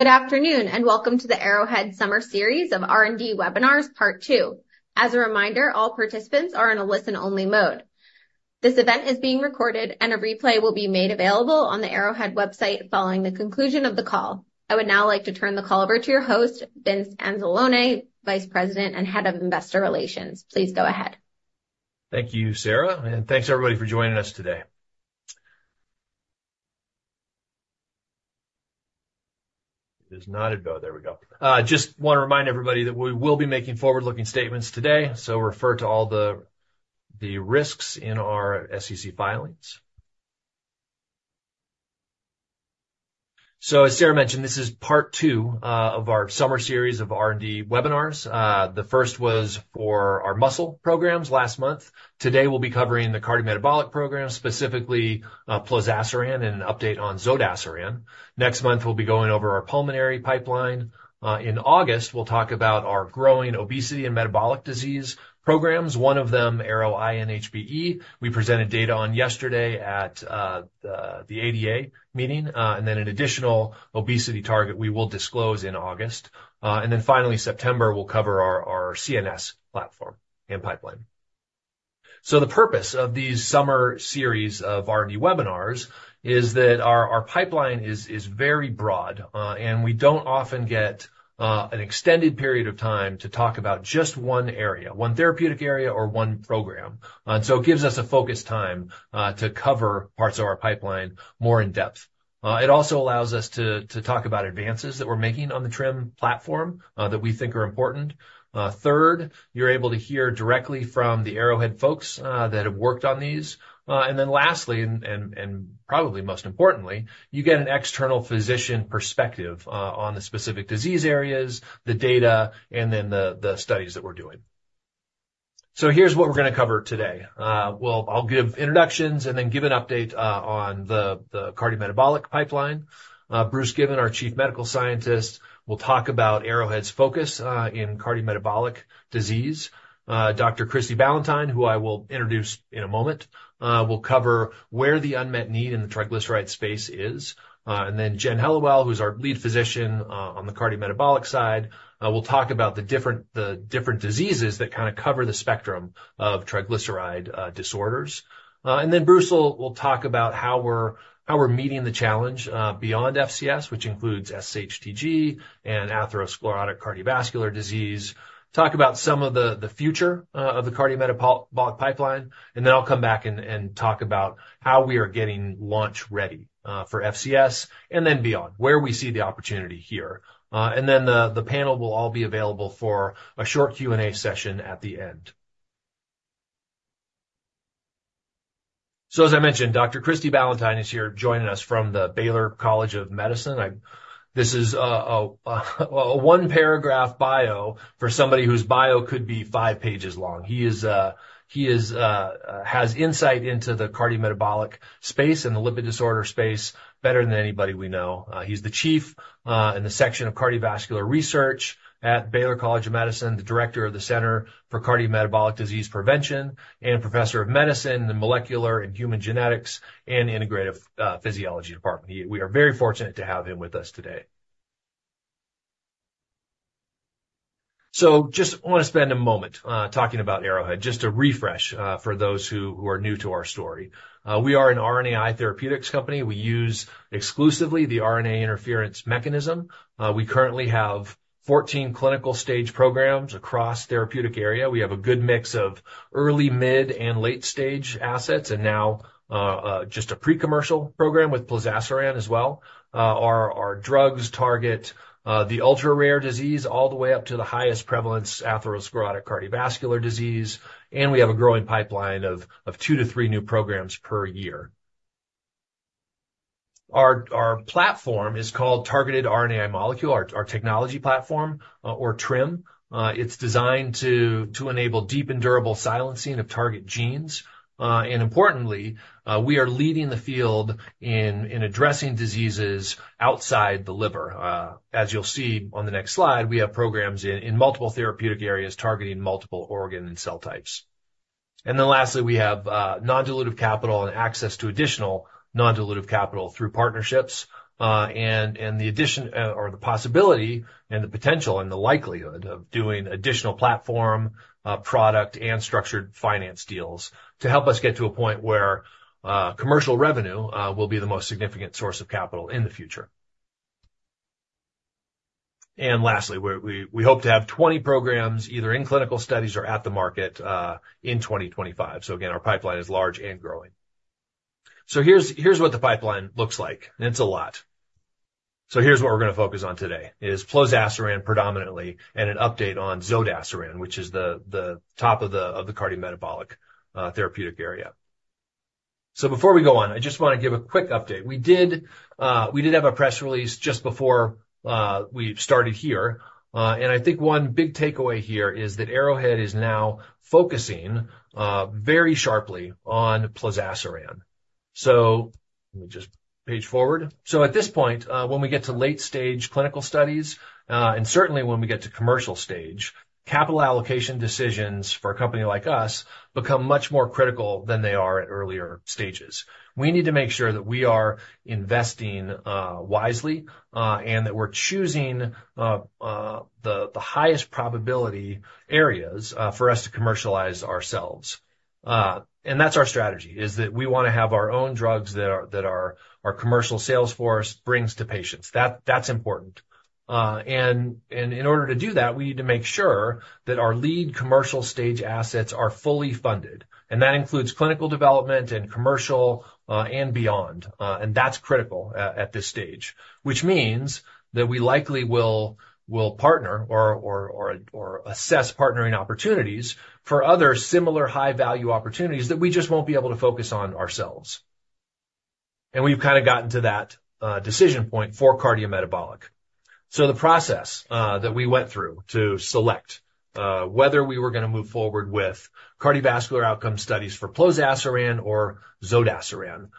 Good afternoon, and welcome to the Arrowhead Summer Series of R&D Webinars, Part Two. As a reminder, all participants are in a listen-only mode. This event is being recorded, and a replay will be made available on the Arrowhead website following the conclusion of the call. I would now like to turn the call over to your host, Vince Anzalone, Vice President and Head of Investor Relations. Please go ahead. Thank you, Sarah, and thanks, everybody, for joining us today. Just wanna remind everybody that we will be making forward-looking statements today, so refer to all the risks in our SEC filings. So as Sarah mentioned, this is Part Two of our summer series of R&D webinars. The first was for our muscle programs last month. Today, we'll be covering the cardiometabolic program, specifically plozasiran and an update on zodasiran. Next month, we'll be going over our pulmonary pipeline. In August, we'll talk about our growing obesity and metabolic disease programs, one of them, ARO-INHBE, we presented data on yesterday at the ADA meeting, and then an additional obesity target we will disclose in August. And then finally, September, we'll cover our CNS platform and pipeline. So the purpose of these summer series of R&D webinars is that our pipeline is very broad, and we don't often get an extended period of time to talk about just one area, one therapeutic area or one program. And so it gives us a focused time to cover parts of our pipeline more in depth. It also allows us to talk about advances that we're making on the TRiM platform that we think are important. Third, you're able to hear directly from the Arrowhead folks that have worked on these. And then lastly, and probably most importantly, you get an external physician perspective on the specific disease areas, the data, and then the studies that we're doing. So here's what we're gonna cover today. I'll give introductions and then give an update on the cardiometabolic pipeline. Bruce Given, our Chief Medical Scientist, will talk about Arrowhead's focus in cardiometabolic disease. Dr. Christie Ballantyne, who I will introduce in a moment, will cover where the unmet need in the triglyceride space is. And then Jennifer Hellawell, who's our lead physician on the cardiometabolic side, will talk about the different diseases that kinda cover the spectrum of triglyceride disorders. And then Bruce will talk about how we're meeting the challenge beyond FCS, which includes SHTG and atherosclerotic cardiovascular disease. Talk about some of the future of the cardiometabolic pipeline, and then I'll come back and talk about how we are getting launch-ready for FCS, and then beyond, where we see the opportunity here. And then the panel will all be available for a short Q&A session at the end. So as I mentioned, Dr. Christie Ballantyne is here joining us from the Baylor College of Medicine. This is a one-paragraph bio for somebody whose bio could be five pages long. He has insight into the cardiometabolic space and the lipid disorder space better than anybody we know. He's the Chief in the Section of Cardiovascular Research at Baylor College of Medicine, the director of the Center for Cardiometabolic Disease Prevention, and professor of medicine in Molecular and Human Genetics and Integrative Physiology department. We are very fortunate to have him with us today. So just wanna spend a moment talking about Arrowhead, just to refresh for those who are new to our story. We are an RNAi therapeutics company. We use exclusively the RNA interference mechanism. We currently have 14 clinical stage programs across therapeutic area. We have a good mix of early, mid, and late-stage assets, and now, just a pre-commercial program with plozasiran as well. Our drugs target the ultra-rare disease, all the way up to the highest prevalence atherosclerotic cardiovascular disease, and we have a growing pipeline of two to three new programs per year. Our platform is called Targeted RNAi Molecule, our technology platform, or TRiM. It's designed to enable deep and durable silencing of target genes. And importantly, we are leading the field in addressing diseases outside the liver. As you'll see on the next slide, we have programs in multiple therapeutic areas, targeting multiple organ and cell types. Then lastly, we have non-dilutive capital and access to additional non-dilutive capital through partnerships, and the addition, or the possibility and the potential and the likelihood of doing additional platform, product, and structured finance deals to help us get to a point where commercial revenue will be the most significant source of capital in the future. Lastly, we hope to have 20 programs, either in clinical studies or at the market, in 2025. So again, our pipeline is large and growing. So here's what the pipeline looks like, and it's a lot. So here's what we're gonna focus on today is plozasiran predominantly, and an update on zodasiran, which is the top of the cardiometabolic therapeutic area. So before we go on, I just wanna give a quick update. We did, we did have a press release just before we started here, and I think one big takeaway here is that Arrowhead is now focusing very sharply on plozasiran. So let me just page forward. So at this point, when we get to late-stage clinical studies, and certainly when we get to commercial stage, capital allocation decisions for a company like us become much more critical than they are at earlier stages. We need to make sure that we are investing wisely, and that we're choosing the highest probability areas for us to commercialize ourselves. And that's our strategy, is that we wanna have our own drugs that our commercial sales force brings to patients. That's important. and in order to do that, we need to make sure that our lead commercial stage assets are fully funded, and that includes clinical development and commercial, and beyond. And that's critical at this stage, which means that we likely will partner or assess partnering opportunities for other similar high-value opportunities that we just won't be able to focus on ourselves. And we've kind of gotten to that decision point for cardiometabolic. So the process that we went through to select whether we were gonna move forward with cardiovascular outcome studies for plozasiran or zodasiran.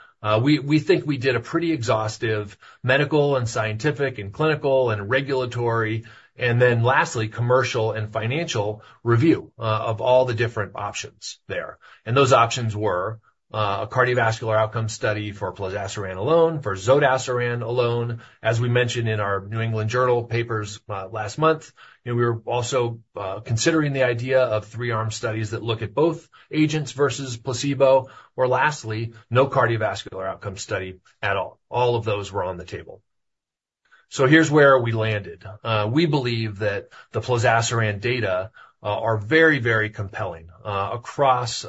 We think we did a pretty exhaustive medical and scientific and clinical and regulatory, and then lastly, commercial and financial review of all the different options there. Those options were a cardiovascular outcome study for plozasiran alone, for zodasiran alone. As we mentioned in our New England Journal of Medicine papers last month, and we were also considering the idea of three-arm studies that look at both agents versus placebo, or lastly, no cardiovascular outcome study at all. All of those were on the table. Here's where we landed. We believe that the plozasiran data are very, very compelling across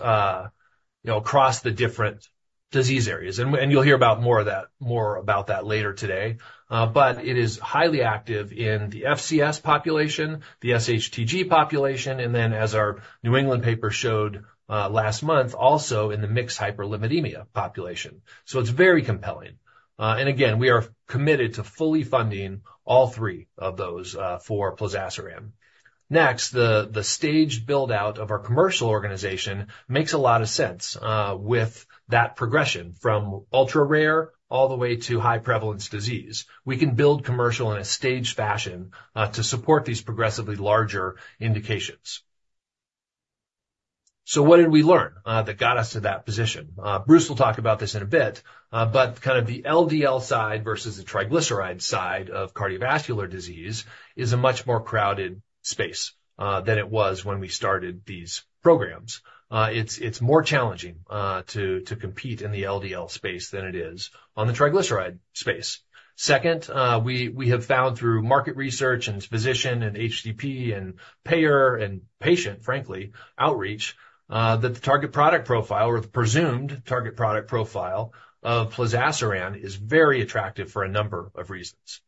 you know across the different disease areas. And, and you'll hear about more of that, more about that later today. But it is highly active in the FCS population, the SHTG population, and then, as our New England Journal of Medicine paper showed last month, also in the mixed hyperlipidemia population. So it's very compelling. And again, we are committed to fully funding all three of those for plozasiran. Next, the stage build-out of our commercial organization makes a lot of sense, with that progression from ultra-rare all the way to high-prevalence disease. We can build commercial in a staged fashion, to support these progressively larger indications. So what did we learn, that got us to that position? Bruce will talk about this in a bit, but kind of the LDL side versus the triglyceride side of cardiovascular disease is a much more crowded space, than it was when we started these programs. It's more challenging to compete in the LDL space than it is on the triglyceride space. Second, we have found through market research and physician and HCP and payer and patient, frankly, outreach, that the target product profile or the presumed target product profile of plozasiran is very attractive for a number of reasons.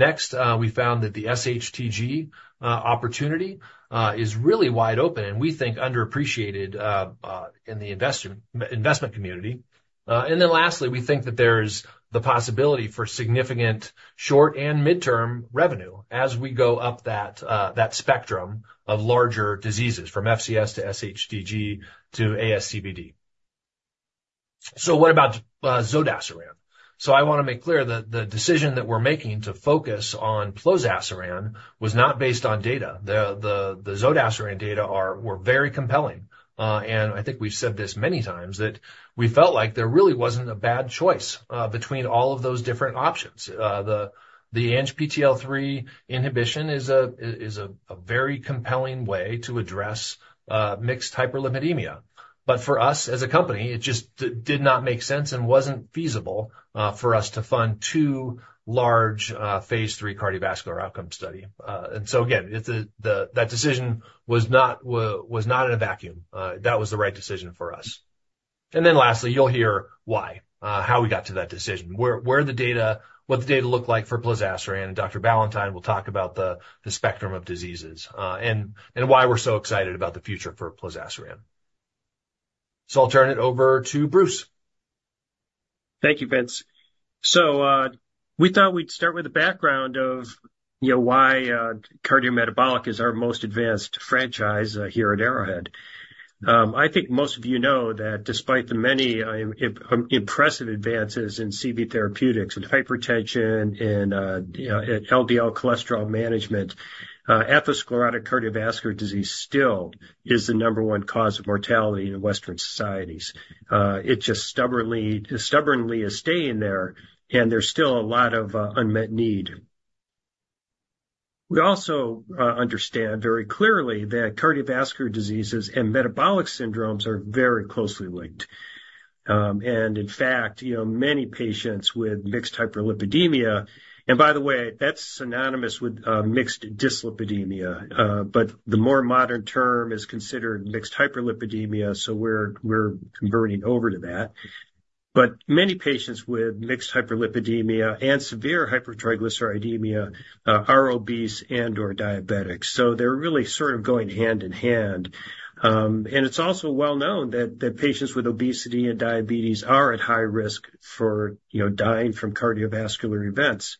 Next, we found that the SHTG opportunity is really wide open, and we think underappreciated in the investment community. And then lastly, we think that there's the possibility for significant short and midterm revenue as we go up that spectrum of larger diseases, from FCS to SHTG to ASCVD. So what about zodasiran? So I wanna make clear that the decision that we're making to focus on plozasiran was not based on data. The zodasiran data are, were very compelling. And I think we've said this many times, that we felt like there really wasn't a bad choice between all of those different options. The ANGPTL3 inhibition is a very compelling way to address mixed hyperlipidemia. But for us, as a company, it just did not make sense and wasn't feasible for us to fund two large phase III cardiovascular outcome study. And so again, it's the... That decision was not in a vacuum. That was the right decision for us. And then lastly, you'll hear why, how we got to that decision, what the data looked like for plozasiran, and Dr. Ballantyne will talk about the spectrum of diseases and why we're so excited about the future for plozasiran. I'll turn it over to Bruce. Thank you, Vince. So, we thought we'd start with a background of, you know, why, cardiometabolic is our most advanced franchise, here at Arrowhead. I think most of you know that despite the many, impressive advances in CB therapeutics and hypertension and, you know, LDL cholesterol management, atherosclerotic cardiovascular disease still is the number one cause of mortality in Western societies. It just stubbornly, stubbornly is staying there, and there's still a lot of, unmet need. We also, understand very clearly that cardiovascular diseases and metabolic syndromes are very closely linked. And in fact, you know, many patients with mixed hyperlipidemia, and by the way, that's synonymous with, mixed dyslipidemia, but the more modern term is considered mixed hyperlipidemia, so we're, we're converting over to that. But many patients with mixed hyperlipidemia and severe hypertriglyceridemia are obese and/or diabetic, so they're really sort of going hand in hand. And it's also well known that patients with obesity and diabetes are at high risk for, you know, dying from cardiovascular events.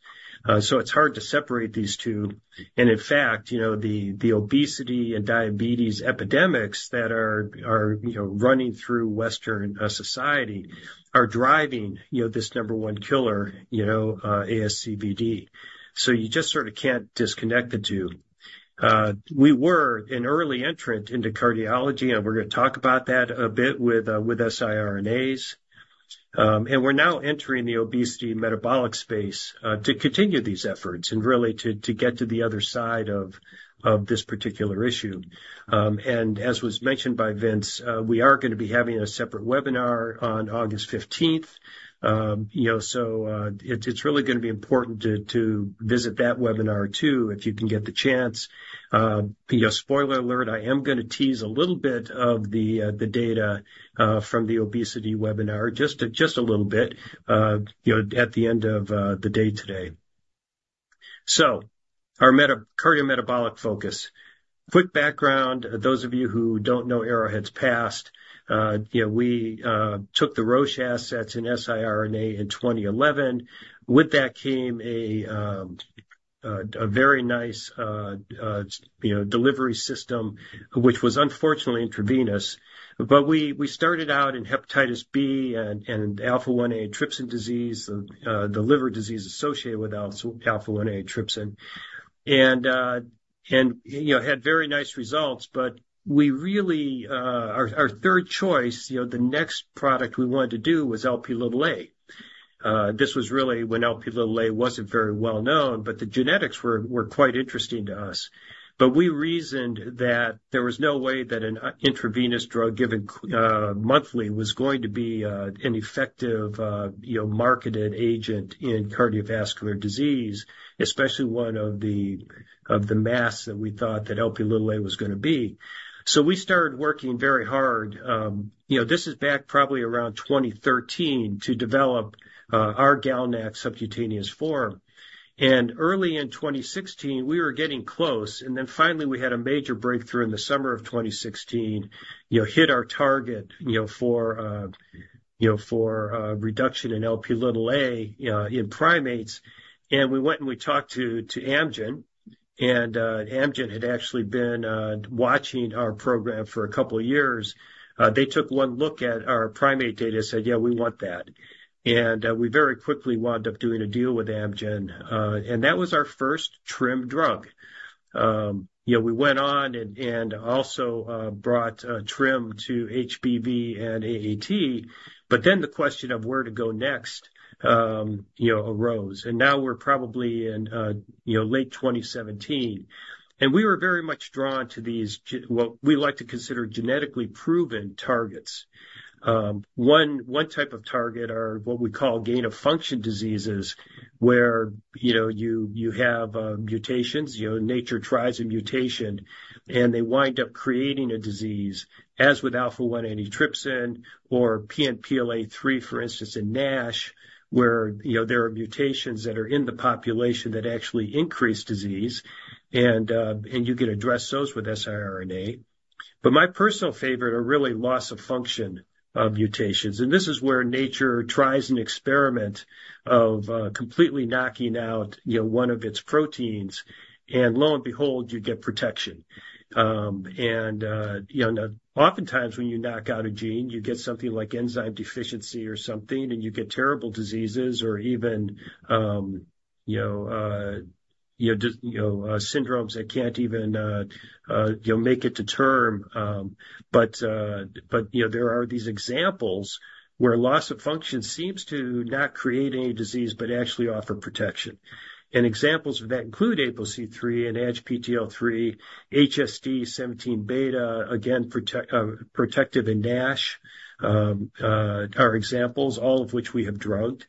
So it's hard to separate these two, and in fact, you know, the obesity and diabetes epidemics that are, you know, running through Western society are driving, you know, this number one killer, you know, ASCVD. So you just sort of can't disconnect the two. We were an early entrant into cardiology, and we're gonna talk about that a bit with siRNAs. And we're now entering the obesity metabolic space to continue these efforts and really to get to the other side of this particular issue. And as was mentioned by Vince, we are gonna be having a separate webinar on August fifteenth. You know, so it's really gonna be important to visit that webinar too, if you can get the chance. You know, spoiler alert, I am gonna tease a little bit of the data from the obesity webinar, just a little bit, you know, at the end of the day today. So our cardiometabolic focus. Quick background, those of you who don't know Arrowhead's past, you know, we took the Roche assets in siRNA in 2011. With that came a very nice, you know, delivery system, which was unfortunately intravenous. But we started out in hepatitis B and alpha-1-antitrypsin disease, the liver disease associated with alpha-1-antitrypsin. You know, had very nice results, but we really... Our third choice, you know, the next product we wanted to do was Lp(a). This was really when Lp(a) wasn't very well known, but the genetics were quite interesting to us. But we reasoned that there was no way that an intravenous drug given monthly was going to be an effective, you know, marketed agent in cardiovascular disease, especially one of the mass that we thought that Lp(a) was gonna be. So we started working very hard, you know, this is back probably around 2013, to develop our GalNAc subcutaneous form. And early in 2016, we were getting close, and then finally, we had a major breakthrough in the summer of 2016. You know, hit our target, you know, for reduction in Lp(a), in primates. And we went and we talked to Amgen, and Amgen had actually been watching our program for a couple of years. They took one look at our primate data and said, "Yeah, we want that." And we very quickly wound up doing a deal with Amgen, and that was our first TRiM drug. You know, we went on and also brought TRiM to HBV and AAT, but then the question of where to go next, you know, arose. And now we're probably in, you know, late 2017, and we were very much drawn to these what we like to consider genetically proven targets. One type of target are what we call gain-of-function diseases, where, you know, you have mutations. You know, nature tries a mutation, and they wind up creating a disease, as with alpha-1-antitrypsin or PNPLA3, for instance, in NASH, where, you know, there are mutations that are in the population that actually increase disease, and and you can address those with siRNA. But my personal favorite are really loss-of-function mutations, and this is where nature tries an experiment of completely knocking out, you know, one of its proteins, and lo and behold, you get protection. And you know, oftentimes, when you knock out a gene, you get something like enzyme deficiency or something, and you get terrible diseases or even, you know, you know, just, you know, you know, make it to term. But, you know, there are these examples where loss of function seems to not create any disease, but actually offer protection. And examples of that include APOC3 and ANGPTL3, HSD17beta, again, protective in NASH, are examples, all of which we have drugged.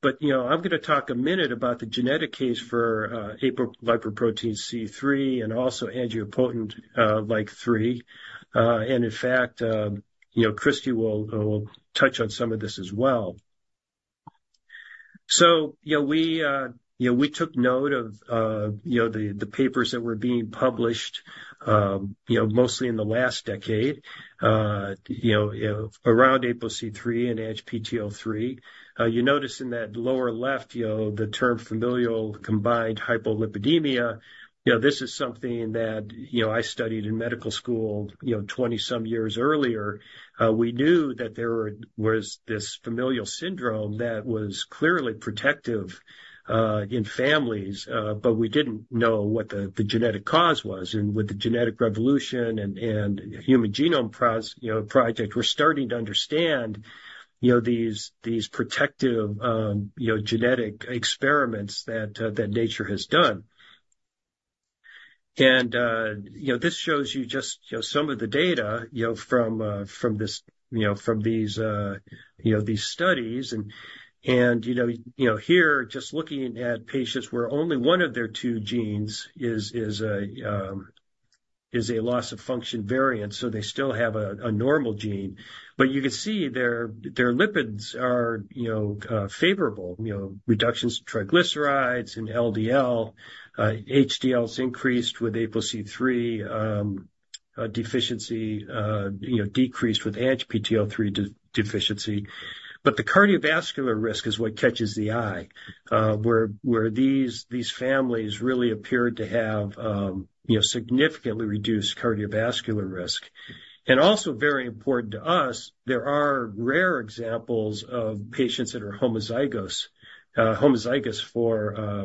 But, you know, I'm gonna talk a minute about the genetic case for, apolipoprotein C3 and also angiopoietin-like 3. And in fact, you know, Christie will touch on some of this as well. So, you know, we, you know, we took note of, you know, the papers that were being published, you know, mostly in the last decade, you know, around APOC3 and ANGPTL3. You notice in that lower left, you know, the term familial combined hypolipidemia. You know, this is something that, you know, I studied in medical school, you know, 20-some years earlier. We knew that there was this familial syndrome that was clearly protective in families, but we didn't know what the genetic cause was. And with the genetic revolution and Human Genome Project, we're starting to understand, you know, these protective genetic experiments that nature has done. And, you know, this shows you just, you know, some of the data, you know, from these studies and, you know, here, just looking at patients where only one of their two genes is a loss-of-function variant, so they still have a normal gene. But you can see their lipids are, you know, favorable. You know, reductions in triglycerides and LDL, HDL is increased with APOC3 deficiency, you know, decreased with ANGPTL3 deficiency. But the cardiovascular risk is what catches the eye, where these families really appeared to have, you know, significantly reduced cardiovascular risk. And also very important to us, there are rare examples of patients that are homozygous for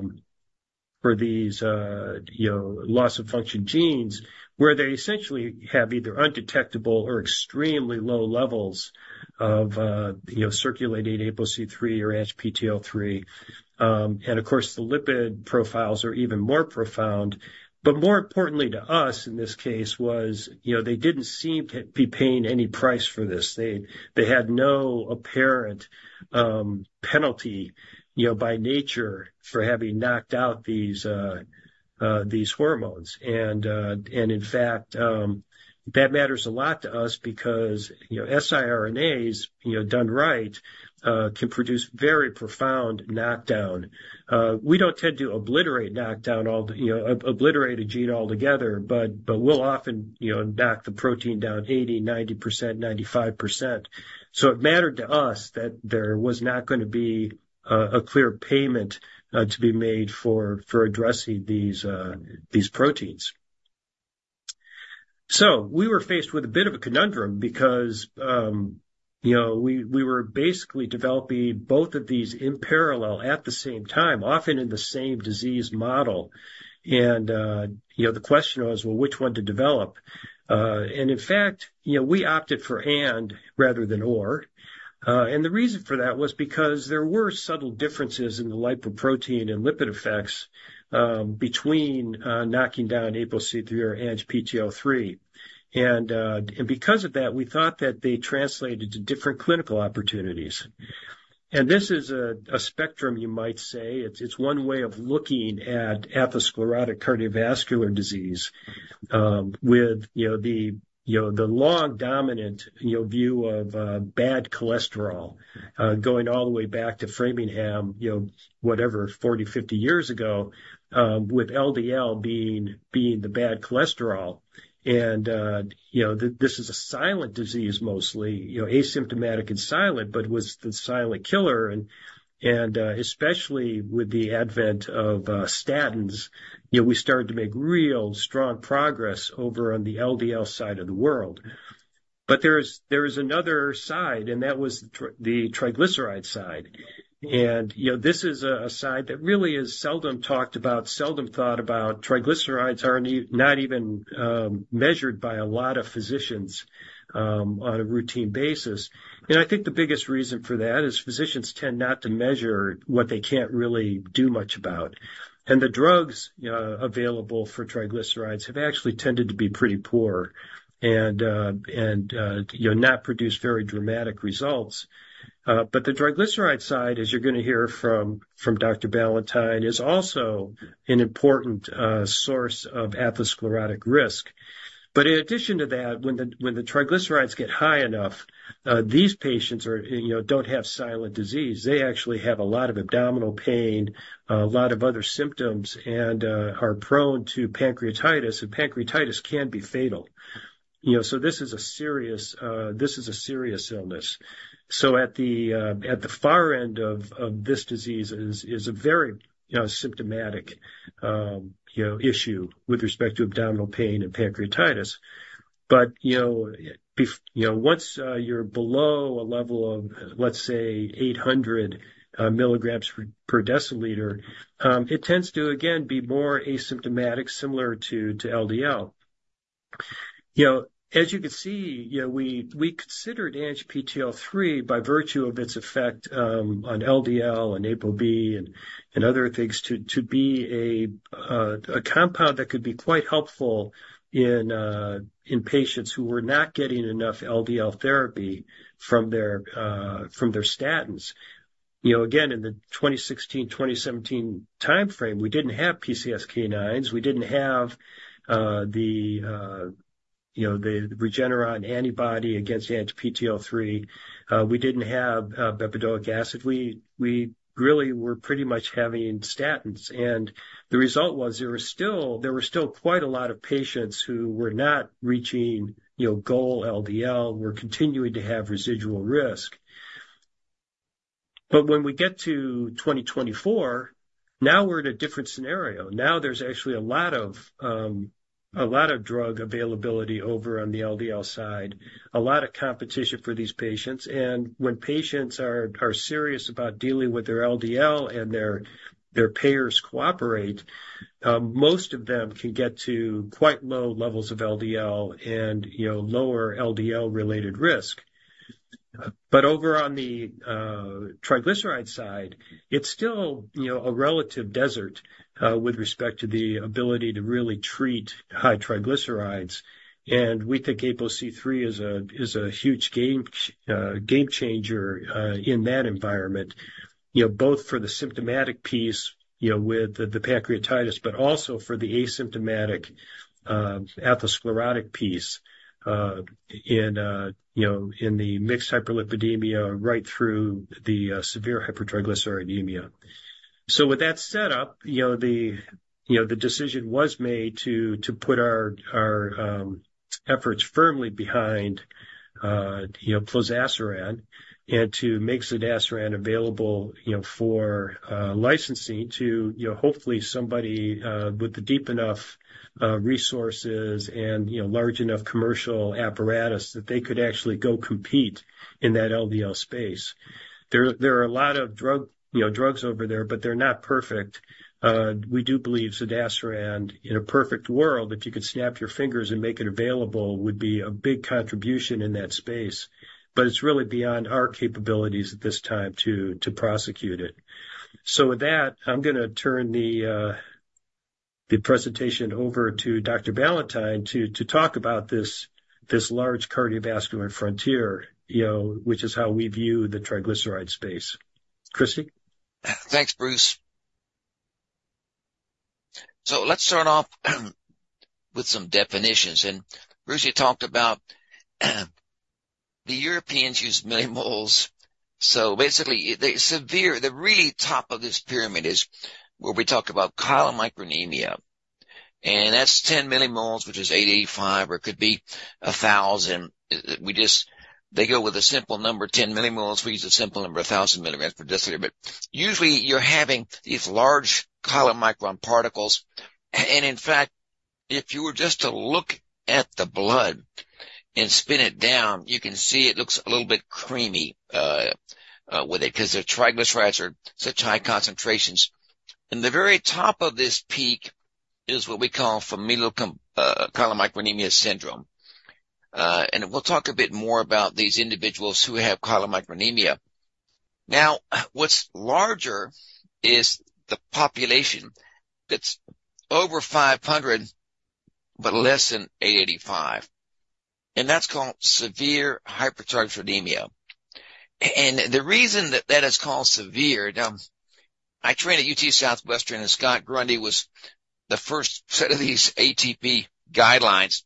these, you know, loss of function genes, where they essentially have either undetectable or extremely low levels of, you know, circulating APOC3 or ANGPTL3. And of course, the lipid profiles are even more profound. But more importantly to us, in this case, was, you know, they didn't seem to be paying any price for this. They had no apparent penalty, you know, by nature for having knocked out these hormones. And in fact, that matters a lot to us because, you know, siRNAs, you know, done right, can produce very profound knockdown. We don't tend to obliterate, knock down all the, you know, obliterate a gene altogether, but we'll often, you know, knock the protein down 80%, 90%, 95%. So it mattered to us that there was not gonna be a clear payment to be made for addressing these proteins. So we were faced with a bit of a conundrum because, you know, we were basically developing both of these in parallel at the same time, often in the same disease model. And you know, the question was, well, which one to develop? And in fact, you know, we opted for and rather than or, and the reason for that was because there were subtle differences in the lipoprotein and lipid effects, between knocking down APOC3 or ANGPTL3. And, and because of that, we thought that they translated to different clinical opportunities. And this is a spectrum you might say. It's one way of looking at atherosclerotic cardiovascular disease, with, you know, the long-dominant, you know, view of bad cholesterol, going all the way back to Framingham, you know, whatever, 40, 50 years ago, with LDL being the bad cholesterol. And, you know, this is a silent disease mostly, you know, asymptomatic and silent, but was the silent killer. Especially with the advent of statins, you know, we started to make real strong progress over on the LDL side of the world. But there is another side, and that was the triglyceride side. And, you know, this is a side that really is seldom talked about, seldom thought about. Triglycerides are not even measured by a lot of physicians on a routine basis. And I think the biggest reason for that is physicians tend not to measure what they can't really do much about. And the drugs, you know, available for triglycerides have actually tended to be pretty poor and, you know, not produce very dramatic results. But the triglyceride side, as you're gonna hear from Dr. Ballantyne, is also an important source of atherosclerotic risk. But in addition to that, when the, when the triglycerides get high enough, these patients are, you know, don't have silent disease. They actually have a lot of abdominal pain, a lot of other symptoms, and are prone to pancreatitis, and pancreatitis can be fatal. You know, so this is a serious, this is a serious illness. So at the, at the far end of, of this disease is, is a very, you know, symptomatic, you know, issue with respect to abdominal pain and pancreatitis. But, you know, be- you know, once, you're below a level of, let's say, 800 mg per, per deciliter, it tends to again, be more asymptomatic, similar to, to LDL. You know, as you can see, you know, we considered ANGPTL3 by virtue of its effect on LDL and ApoB and other things to be a compound that could be quite helpful in patients who were not getting enough LDL therapy from their statins. You know, again, in the 2016, 2017 timeframe, we didn't have PCSK9s, we didn't have the Regeneron antibody against ANGPTL3. We didn't have bempedoic acid. We really were pretty much having statins, and the result was there were still quite a lot of patients who were not reaching, you know, goal LDL and were continuing to have residual risk. But when we get to 2024, now we're in a different scenario. Now there's actually a lot of, a lot of drug availability over on the LDL side, a lot of competition for these patients. And when patients are serious about dealing with their LDL and their payers cooperate, most of them can get to quite low levels of LDL and, you know, lower LDL-related risk. But over on the triglyceride side, it's still, you know, a relative desert with respect to the ability to really treat high triglycerides. And we think APOC3 is a huge game changer in that environment, you know, both for the symptomatic piece, you know, with the pancreatitis, but also for the asymptomatic atherosclerotic piece in, you know, in the mixed hyperlipidemia right through the severe hypertriglyceridemia. So with that set up, you know, the decision was made to put our efforts firmly behind, you know, plozasiran and to make zodasiran available, you know, for licensing to, you know, hopefully somebody with deep enough resources and, you know, large enough commercial apparatus that they could actually go compete in that LDL space. There are a lot of drugs over there, but they're not perfect. We do believe zodasiran, in a perfect world, if you could snap your fingers and make it available, would be a big contribution in that space, but it's really beyond our capabilities at this time to prosecute it. So with that, I'm gonna turn the presentation over to Dr. Ballantyne to talk about this large cardiovascular frontier, you know, which is how we view the triglyceride space. Christie? Thanks, Bruce. So let's start off with some definitions. And Bruce, you talked about the Europeans use millimoles. So basically, the severe, the really top of this pyramid is where we talk about chylomicronemia, and that's 10 millimoles, which is 85, or it could be a thousand. They go with a simple number, 10 millimoles. We use a simple number, 1,000 mg per deciliter. But usually, you're having these large chylomicron particles, and in fact, if you were just to look at the blood and spin it down, you can see it looks a little bit creamy, with it, 'cause the triglycerides are such high concentrations. And the very top of this peak is what we call familial chylomicronemia syndrome. And we'll talk a bit more about these individuals who have chylomicronemia. Now, what's larger is the population that's over 500, but less than 885, and that's called severe hypertriglyceridemia. And the reason that that is called severe, I trained at UT Southwestern, and Scott Grundy was the first set of these ATP guidelines,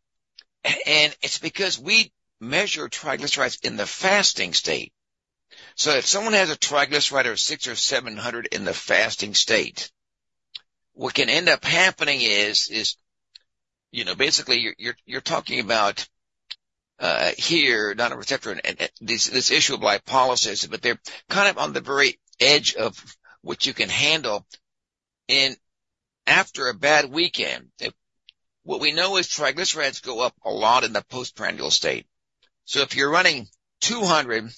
and it's because we measure triglycerides in the fasting state. So if someone has a triglyceride of 600 or 700 in the fasting state, what can end up happening is, you know, basically, you're talking about, here, not a receptor, and this issue of lipolysis, but they're kind of on the very edge of what you can handle. And after a bad weekend, what we know is triglycerides go up a lot in the postprandial state. So if you're running 200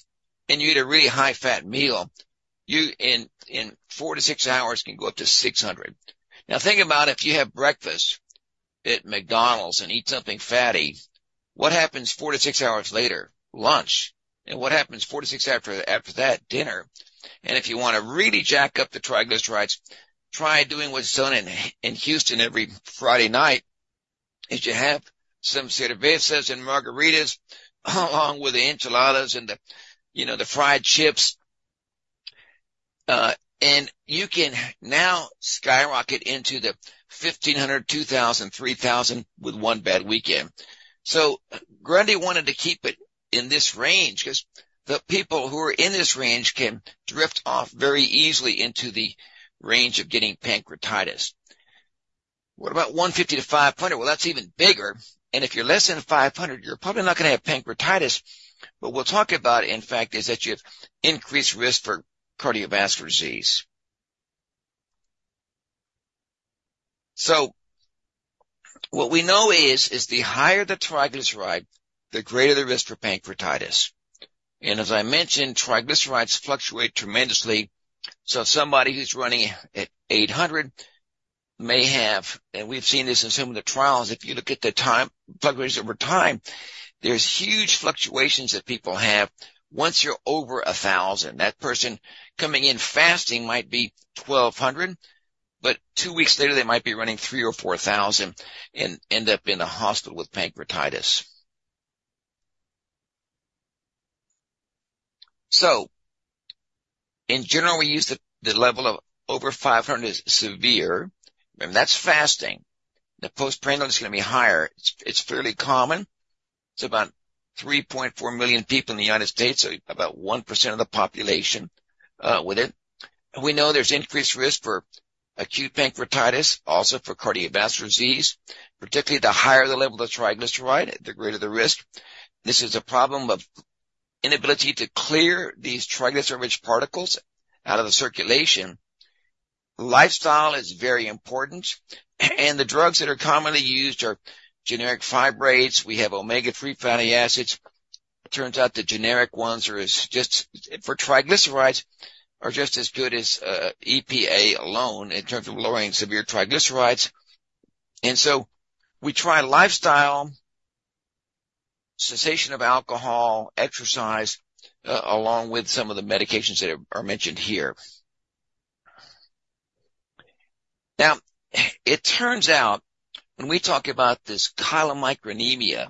and you eat a really high-fat meal, you in four-six hours can go up to 600. Now, think about if you have breakfast at McDonald's and eat something fatty. What happens four-six hours later? Lunch. And what happens four-six after that? Dinner. And if you wanna really jack up the triglycerides, try doing what's done in Houston every Friday night, is you have some cervezas and margaritas along with the enchiladas and the, you know, the fried chips. And you can now skyrocket into the 1,500, 2,000, 3,000 with one bad weekend. So Grundy wanted to keep it in this range because the people who are in this range can drift off very easily into the range of getting pancreatitis. What about 150-500? Well, that's even bigger, and if you're less than 500, you're probably not gonna have pancreatitis. What we'll talk about, in fact, is that you have increased risk for cardiovascular disease. So what we know is, is the higher the triglyceride, the greater the risk for pancreatitis. And as I mentioned, triglycerides fluctuate tremendously, so somebody who's running at 800 may have, and we've seen this in some of the trials, if you look at the time, triglycerides over time, there's huge fluctuations that people have. Once you're over 1,000, that person coming in fasting might be 1,200, but two weeks later, they might be running 3,000 or 4,000 and end up in the hospital with pancreatitis. So in general, we use the, the level of over 500 as severe. Remember, that's fasting. The postprandial is gonna be higher. It's, it's fairly common. It's about 3.4 million people in the United States, so about 1% of the population with it. We know there's increased risk for acute pancreatitis, also for cardiovascular disease. Particularly, the higher the level of triglyceride, the greater the risk. This is a problem of inability to clear these triglyceride-rich particles out of the circulation. Lifestyle is very important, and the drugs that are commonly used are generic fibrates. We have omega-3 fatty acids. It turns out the generic ones are as for triglycerides, just as good as EPA alone in terms of lowering severe triglycerides. And so we try lifestyle, cessation of alcohol, exercise, along with some of the medications that are mentioned here. Now, it turns out when we talk about this chylomicronemia,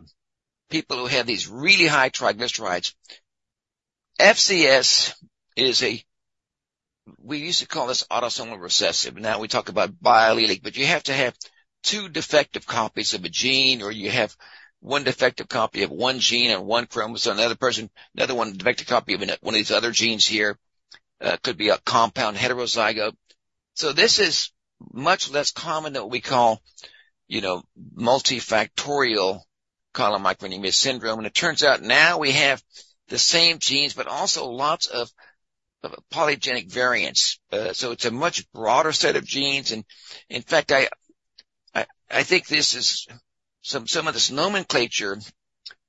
people who have these really high triglycerides, FCS is a-... We used to call this autosomal recessive, and now we talk about biallelic, but you have to have two defective copies of a gene, or you have one defective copy of one gene and one chromosome, another person, another one, defective copy of one of these other genes here, could be a compound heterozygote. So this is much less common than what we call, you know, multifactorial chylomicronemia syndrome. And it turns out now we have the same genes, but also lots of polygenic variants. So it's a much broader set of genes, and in fact, I think this is some of this nomenclature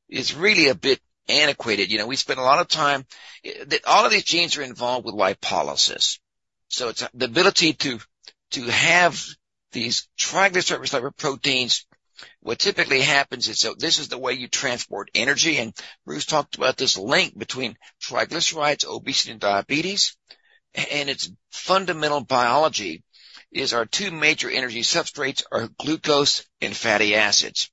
is really a bit antiquated. You know, we spent a lot of time. That all of these genes are involved with lipolysis, so it's the ability to have these triglyceride-rich lipoproteins. What typically happens is, so this is the way you transport energy, and Bruce talked about this link between triglycerides, obesity, and diabetes, and its fundamental biology is our two major energy substrates are glucose and fatty acids.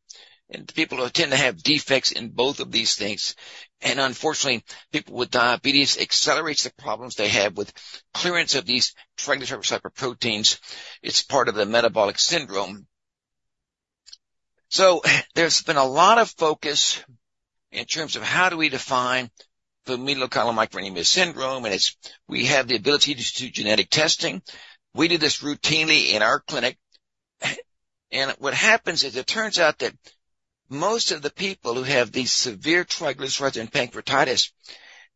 The people who tend to have defects in both of these things, and unfortunately, people with diabetes accelerates the problems they have with clearance of these triglyceride-rich lipoproteins. It's part of the metabolic syndrome. So there's been a lot of focus in terms of how do we define familial chylomicronemia syndrome, and it's, we have the ability to do genetic testing. We do this routinely in our clinic, and, and what happens is it turns out that most of the people who have these severe triglycerides and pancreatitis,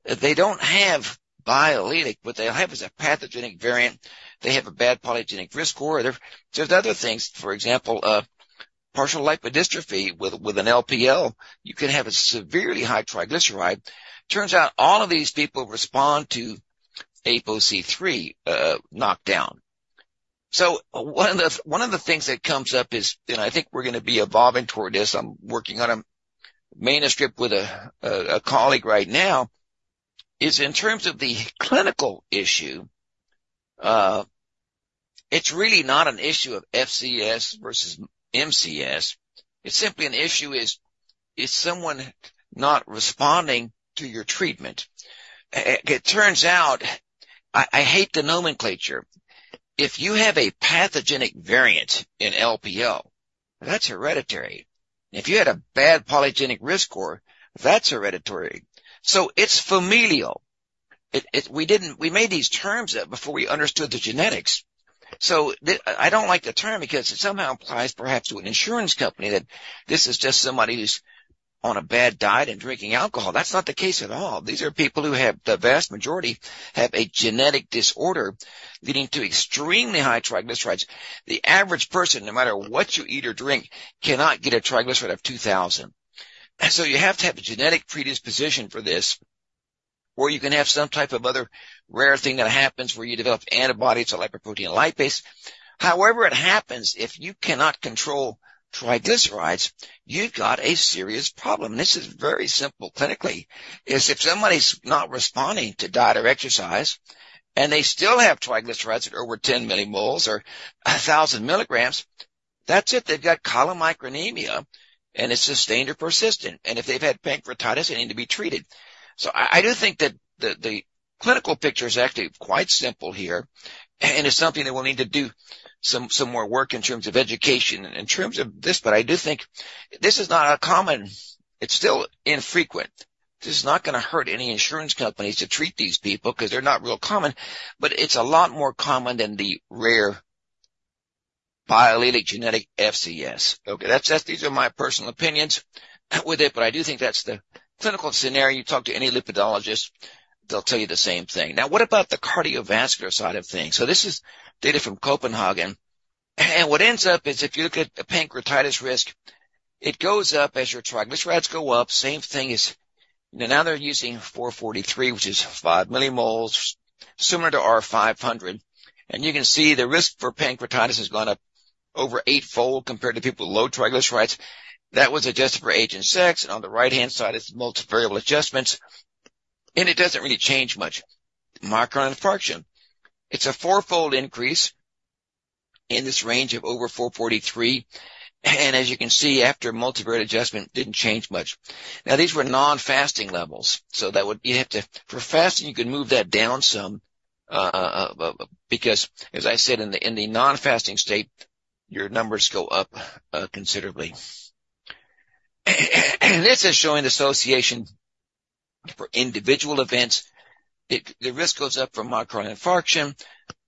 they don't have biallelic. What they have is a pathogenic variant. They have a bad polygenic risk score. There, there's other things, for example, partial lipodystrophy with an LPL, you can have a severely high triglyceride. Turns out all of these people respond to APOC3 knockdown. So one of the things that comes up is, and I think we're gonna be evolving toward this, I'm working on a manuscript with a colleague right now, is in terms of the clinical issue, it's really not an issue of FCS versus MCS. It's simply an issue, is someone not responding to your treatment? It turns out... I hate the nomenclature. If you have a pathogenic variant in LPL, that's hereditary. If you had a bad polygenic risk score, that's hereditary, so it's familial. It, we didn't-- we made these terms up before we understood the genetics. So the I don't like the term because it somehow implies, perhaps to an insurance company, that this is just somebody who's on a bad diet and drinking alcohol. That's not the case at all. These are people who have, the vast majority, have a genetic disorder leading to extremely high triglycerides. The average person, no matter what you eat or drink, cannot get a triglyceride of 2000. And so you have to have a genetic predisposition for this, or you can have some type of other rare thing that happens where you develop antibodies to lipoprotein lipase. However it happens, if you cannot control triglycerides, you've got a serious problem. This is very simple clinically, is if somebody's not responding to diet or exercise, and they still have triglycerides that are over 10 millimoles or 1000 mg, that's it. They've got chylomicronemia, and it's sustained or persistent, and if they've had pancreatitis, they need to be treated. So I do think that the clinical picture is actually quite simple here, and it's something that we'll need to do some more work in terms of education and in terms of this, but I do think this is not uncommon. It's still infrequent. This is not gonna hurt any insurance companies to treat these people 'cause they're not real common, but it's a lot more common than the rare biallelic genetic FCS. Okay, that's just these are my personal opinions with it, but I do think that's the clinical scenario. You talk to any lipidologist, they'll tell you the same thing. Now, what about the cardiovascular side of things? So this is data from Copenhagen, and what ends up is if you look at the pancreatitis risk, it goes up as your triglycerides go up. Same thing as... Now they're using 443, which is 5 millimoles, similar to our 500, and you can see the risk for pancreatitis has gone up over eightfold compared to people with low triglycerides. That was adjusted for age and sex, and on the right-hand side, it's multivariable adjustments, and it doesn't really change much. Myocardial infarction, it's a fourfold increase in this range of over 443, and as you can see, after multivariate adjustment, didn't change much. Now, these were non-fasting levels, so that would, you'd have to, for fasting, you can move that down some, because as I said, in the non-fasting state, your numbers go up considerably. This is showing the association for individual events. The risk goes up for myocardial infarction,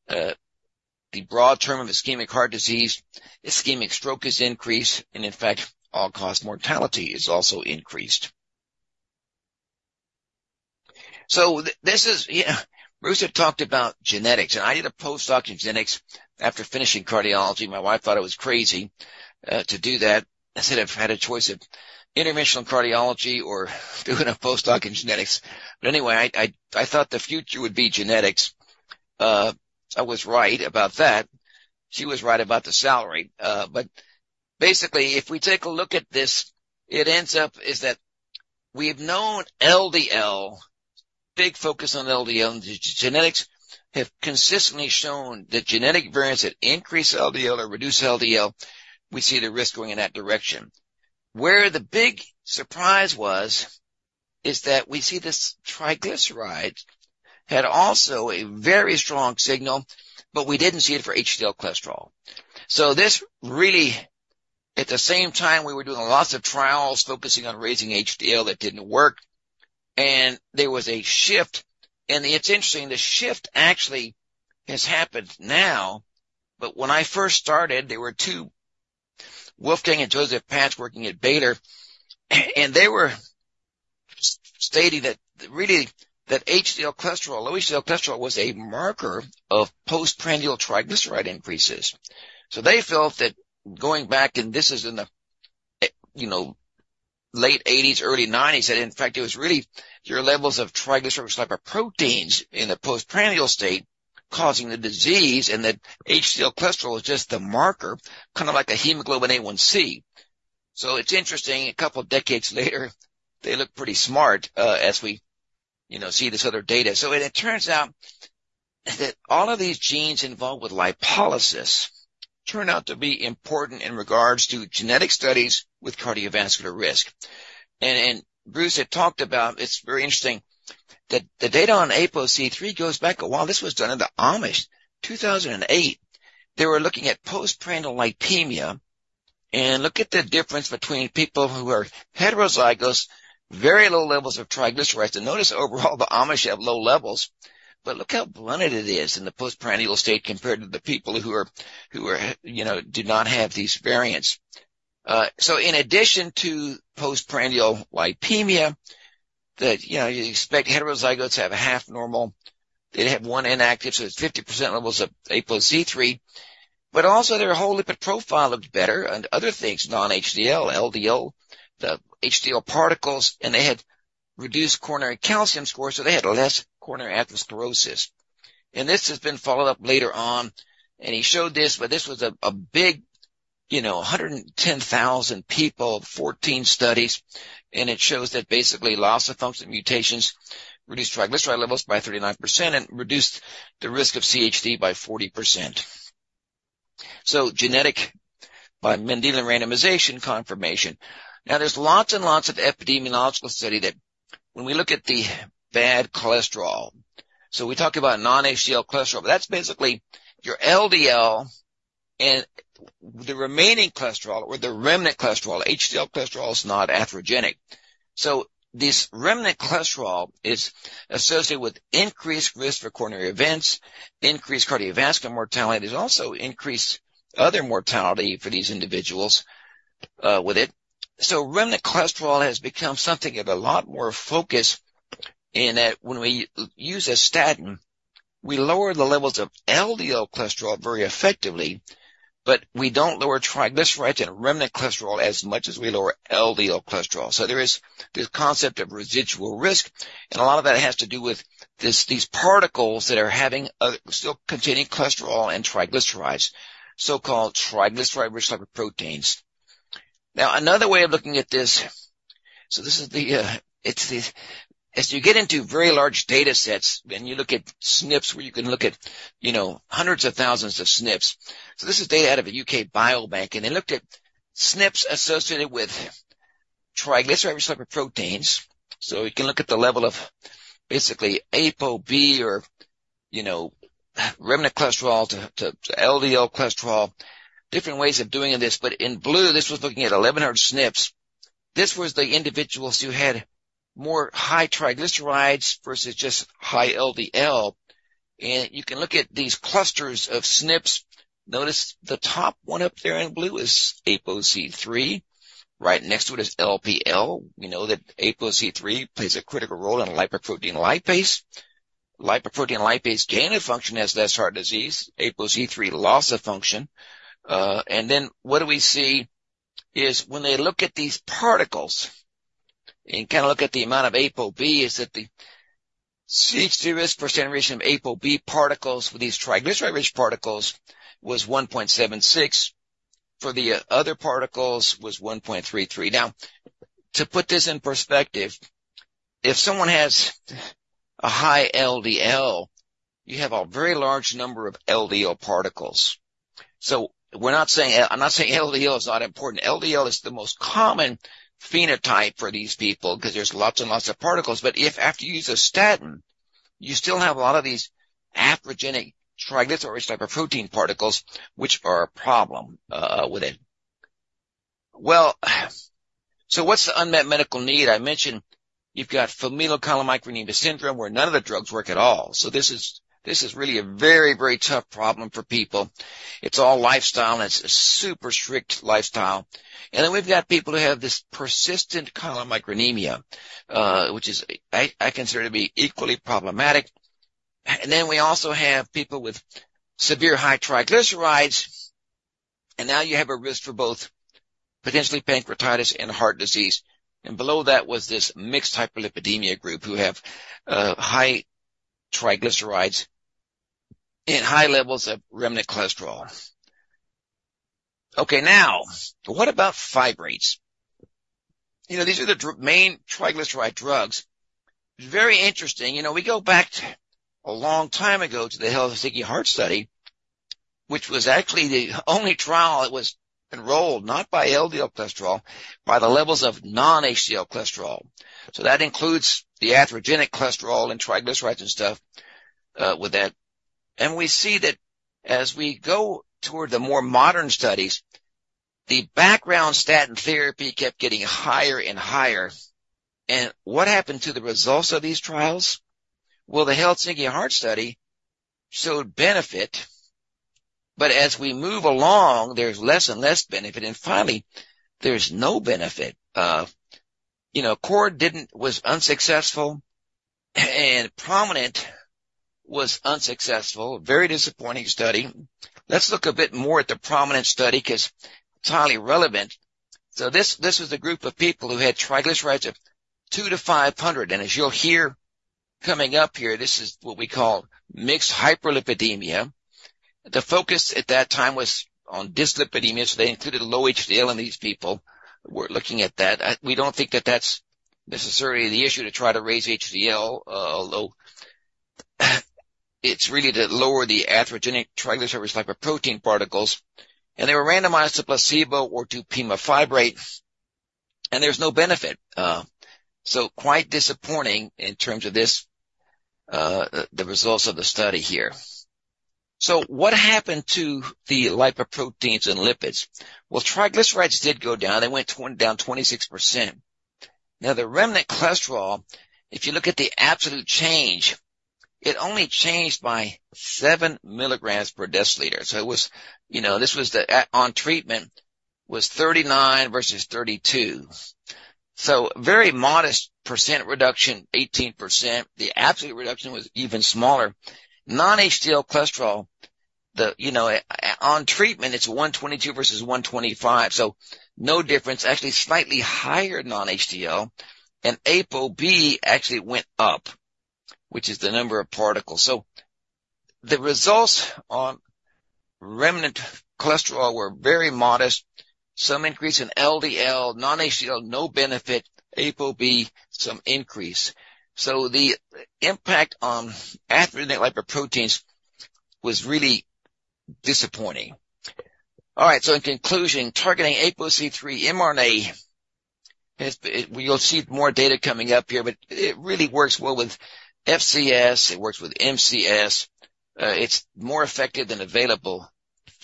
the broad term of ischemic heart disease, ischemic stroke is increased, and in fact, all-cause mortality is also increased. So this is. Yeah, Bruce had talked about genetics, and I did a postdoc in genetics after finishing cardiology. My wife thought I was crazy to do that. I said I've had a choice of interventional cardiology or doing a postdoc in genetics. But anyway, I thought the future would be genetics. I was right about that. She was right about the salary. But basically, if we take a look at this, it ends up is that we've known LDL, big focus on LDL, and the genetics have consistently shown that genetic variants that increase LDL or reduce LDL, we see the risk going in that direction. Where the big surprise is that we see this triglycerides had also a very strong signal, but we didn't see it for HDL cholesterol. So this really, at the same time, we were doing lots of trials focusing on raising HDL that didn't work, and there was a shift, and it's interesting, the shift actually has happened now, but when I first started, there were two, Wolfgang and Josef Patsch, working at Baylor, and they were stating that really, that HDL cholesterol, low HDL cholesterol was a marker of postprandial triglyceride increases. So they felt that going back, and this is in the, you know, late eighties, early nineties, that in fact, it was really your levels of triglyceride lipoproteins in the postprandial state causing the disease, and that HDL cholesterol is just the marker, kind of like a hemoglobin A1C. So it's interesting, a couple of decades later, they look pretty smart, as we, you know, see this other data. So it turns out that all of these genes involved with lipolysis turn out to be important in regards to genetic studies with cardiovascular risk. And Bruce had talked about, it's very interesting, that the data on APOC3 goes back a while. This was done in the Amish, 2008. They were looking at postprandial lipemia, and look at the difference between people who are heterozygous, very low levels of triglycerides, and notice overall, the Amish have low levels. But look how blended it is in the postprandial state compared to the people who, you know, do not have these variants. So in addition to postprandial lipemia, that, you know, you expect heterozygotes to have a half normal. They'd have one inactive, so it's 50% levels of APOC3, but also their whole lipid profile looked better, and other things, non-HDL, LDL, the HDL particles, and they had reduced coronary calcium score, so they had less coronary atherosclerosis. And this has been followed up later on, and he showed this, but this was a big, you know, 110,000 people, 14 studies, and it shows that basically, loss-of-function mutations reduced triglyceride levels by 39% and reduced the risk of CHD by 40%. So genetic by Mendelian randomization confirmation. Now, there's lots and lots of epidemiological study that when we look at the bad cholesterol, so we talked about non-HDL cholesterol, but that's basically your LDL and the remaining cholesterol or the remnant cholesterol. HDL cholesterol is not atherogenic. So this remnant cholesterol is associated with increased risk for coronary events, increased cardiovascular mortality. There's also increased other mortality for these individuals with it. So remnant cholesterol has become something of a lot more focus in that when we use a statin, we lower the levels of LDL cholesterol very effectively, but we don't lower triglycerides and remnant cholesterol as much as we lower LDL cholesterol. So there is this concept of residual risk, and a lot of that has to do with this, these particles that are having still containing cholesterol and triglycerides, so-called triglyceride-rich lipoproteins. Now, another way of looking at this, so this is the... it's the. As you get into very large datasets, and you look at SNPs, where you can look at, you know, hundreds of thousands of SNPs. So this is data out of a U.K. Biobank, and they looked at SNPs associated with triglyceride-rich lipoproteins. So we can look at the level of basically ApoB or, you know, remnant cholesterol to LDL cholesterol, different ways of doing this, but in blue, this was looking at 1,100 SNPs. This was the individuals who had more high triglycerides versus just high LDL, and you can look at these clusters of SNPs. Notice the top one up there in blue is APOC3. Right next to it is LPL. We know that APOC3 plays a critical role in lipoprotein lipase. Lipoprotein lipase, gain of function, has less heart disease, APOC3, loss of function. And then what do we see is when they look at these particles, and kind of look at the amount of ApoB, is that the CHD risk per standard deviation of ApoB particles for these triglyceride-rich particles was 1.76. For the other particles, was 1.33. Now, to put this in perspective, if someone has a high LDL, you have a very large number of LDL particles. So we're not saying, I'm not saying LDL is not important. LDL is the most common phenotype for these people because there's lots and lots of particles, but if after you use a statin, you still have a lot of these atherogenic triglyceride-rich lipoprotein particles, which are a problem with it. Well, so what's the unmet medical need? I mentioned you've got familial chylomicronemia syndrome, where none of the drugs work at all. So this is really a very, very tough problem for people. It's all lifestyle, and it's a super strict lifestyle. And then we've got people who have this persistent chylomicronemia, which is, I consider to be equally problematic. And then we also have people with severe high triglycerides, and now you have a risk for both potentially pancreatitis and heart disease. And below that was this mixed hyperlipidemia group, who have high triglycerides and high levels of remnant cholesterol. Okay, now, what about fibrates? You know, these are the main triglyceride drugs. It's very interesting, you know, we go back to a long time ago to the Helsinki Heart Study, which was actually the only trial that was enrolled, not by LDL cholesterol, by the levels of non-HDL cholesterol. So that includes the atherogenic cholesterol and triglycerides and stuff with that. And we see that as we go toward the more modern studies, the background statin therapy kept getting higher and higher. And what happened to the results of these trials? Well, the Helsinki Heart Study showed benefit, but as we move along, there's less and less benefit, and finally, there's no benefit. You know, ACCORD was unsuccessful, and PROMINENT was unsuccessful. Very disappointing study. Let's look a bit more at the PROMINENT study, 'cause it's highly relevant. So this, this was a group of people who had triglycerides of 200-500, and as you'll hear coming up here, this is what we call mixed hyperlipidemia. The focus at that time was on dyslipidemia, so they included low HDL, and these people were looking at that. We don't think that that's necessarily the issue, to try to raise HDL, although, it's really to lower the atherogenic triglyceride lipoprotein particles. And they were randomized to placebo or to pemafibrate, and there's no benefit. So quite disappointing in terms of this, the results of the study here. So what happened to the lipoproteins and lipids? Well, triglycerides did go down. They went down 26%. Now, the remnant cholesterol, if you look at the absolute change, it only changed by 7 mg per deciliter. So it was. You know, this was the on treatment, was 39 versus 32. So very modest percent reduction, 18%. The absolute reduction was even smaller. Non-HDL cholesterol, the, you know, on treatment, it's 122 versus 125, so no difference, actually slightly higher non-HDL, and ApoB actually went up, which is the number of particles. So the results on remnant cholesterol were very modest. Some increase in LDL, non-HDL, no benefit, ApoB, some increase. So the impact on atherogenic lipoproteins was really disappointing. All right, so in conclusion, targeting APOC3 mRNA has been; we'll see more data coming up here, but it really works well with FCS, it works with SHTG. It's more effective than available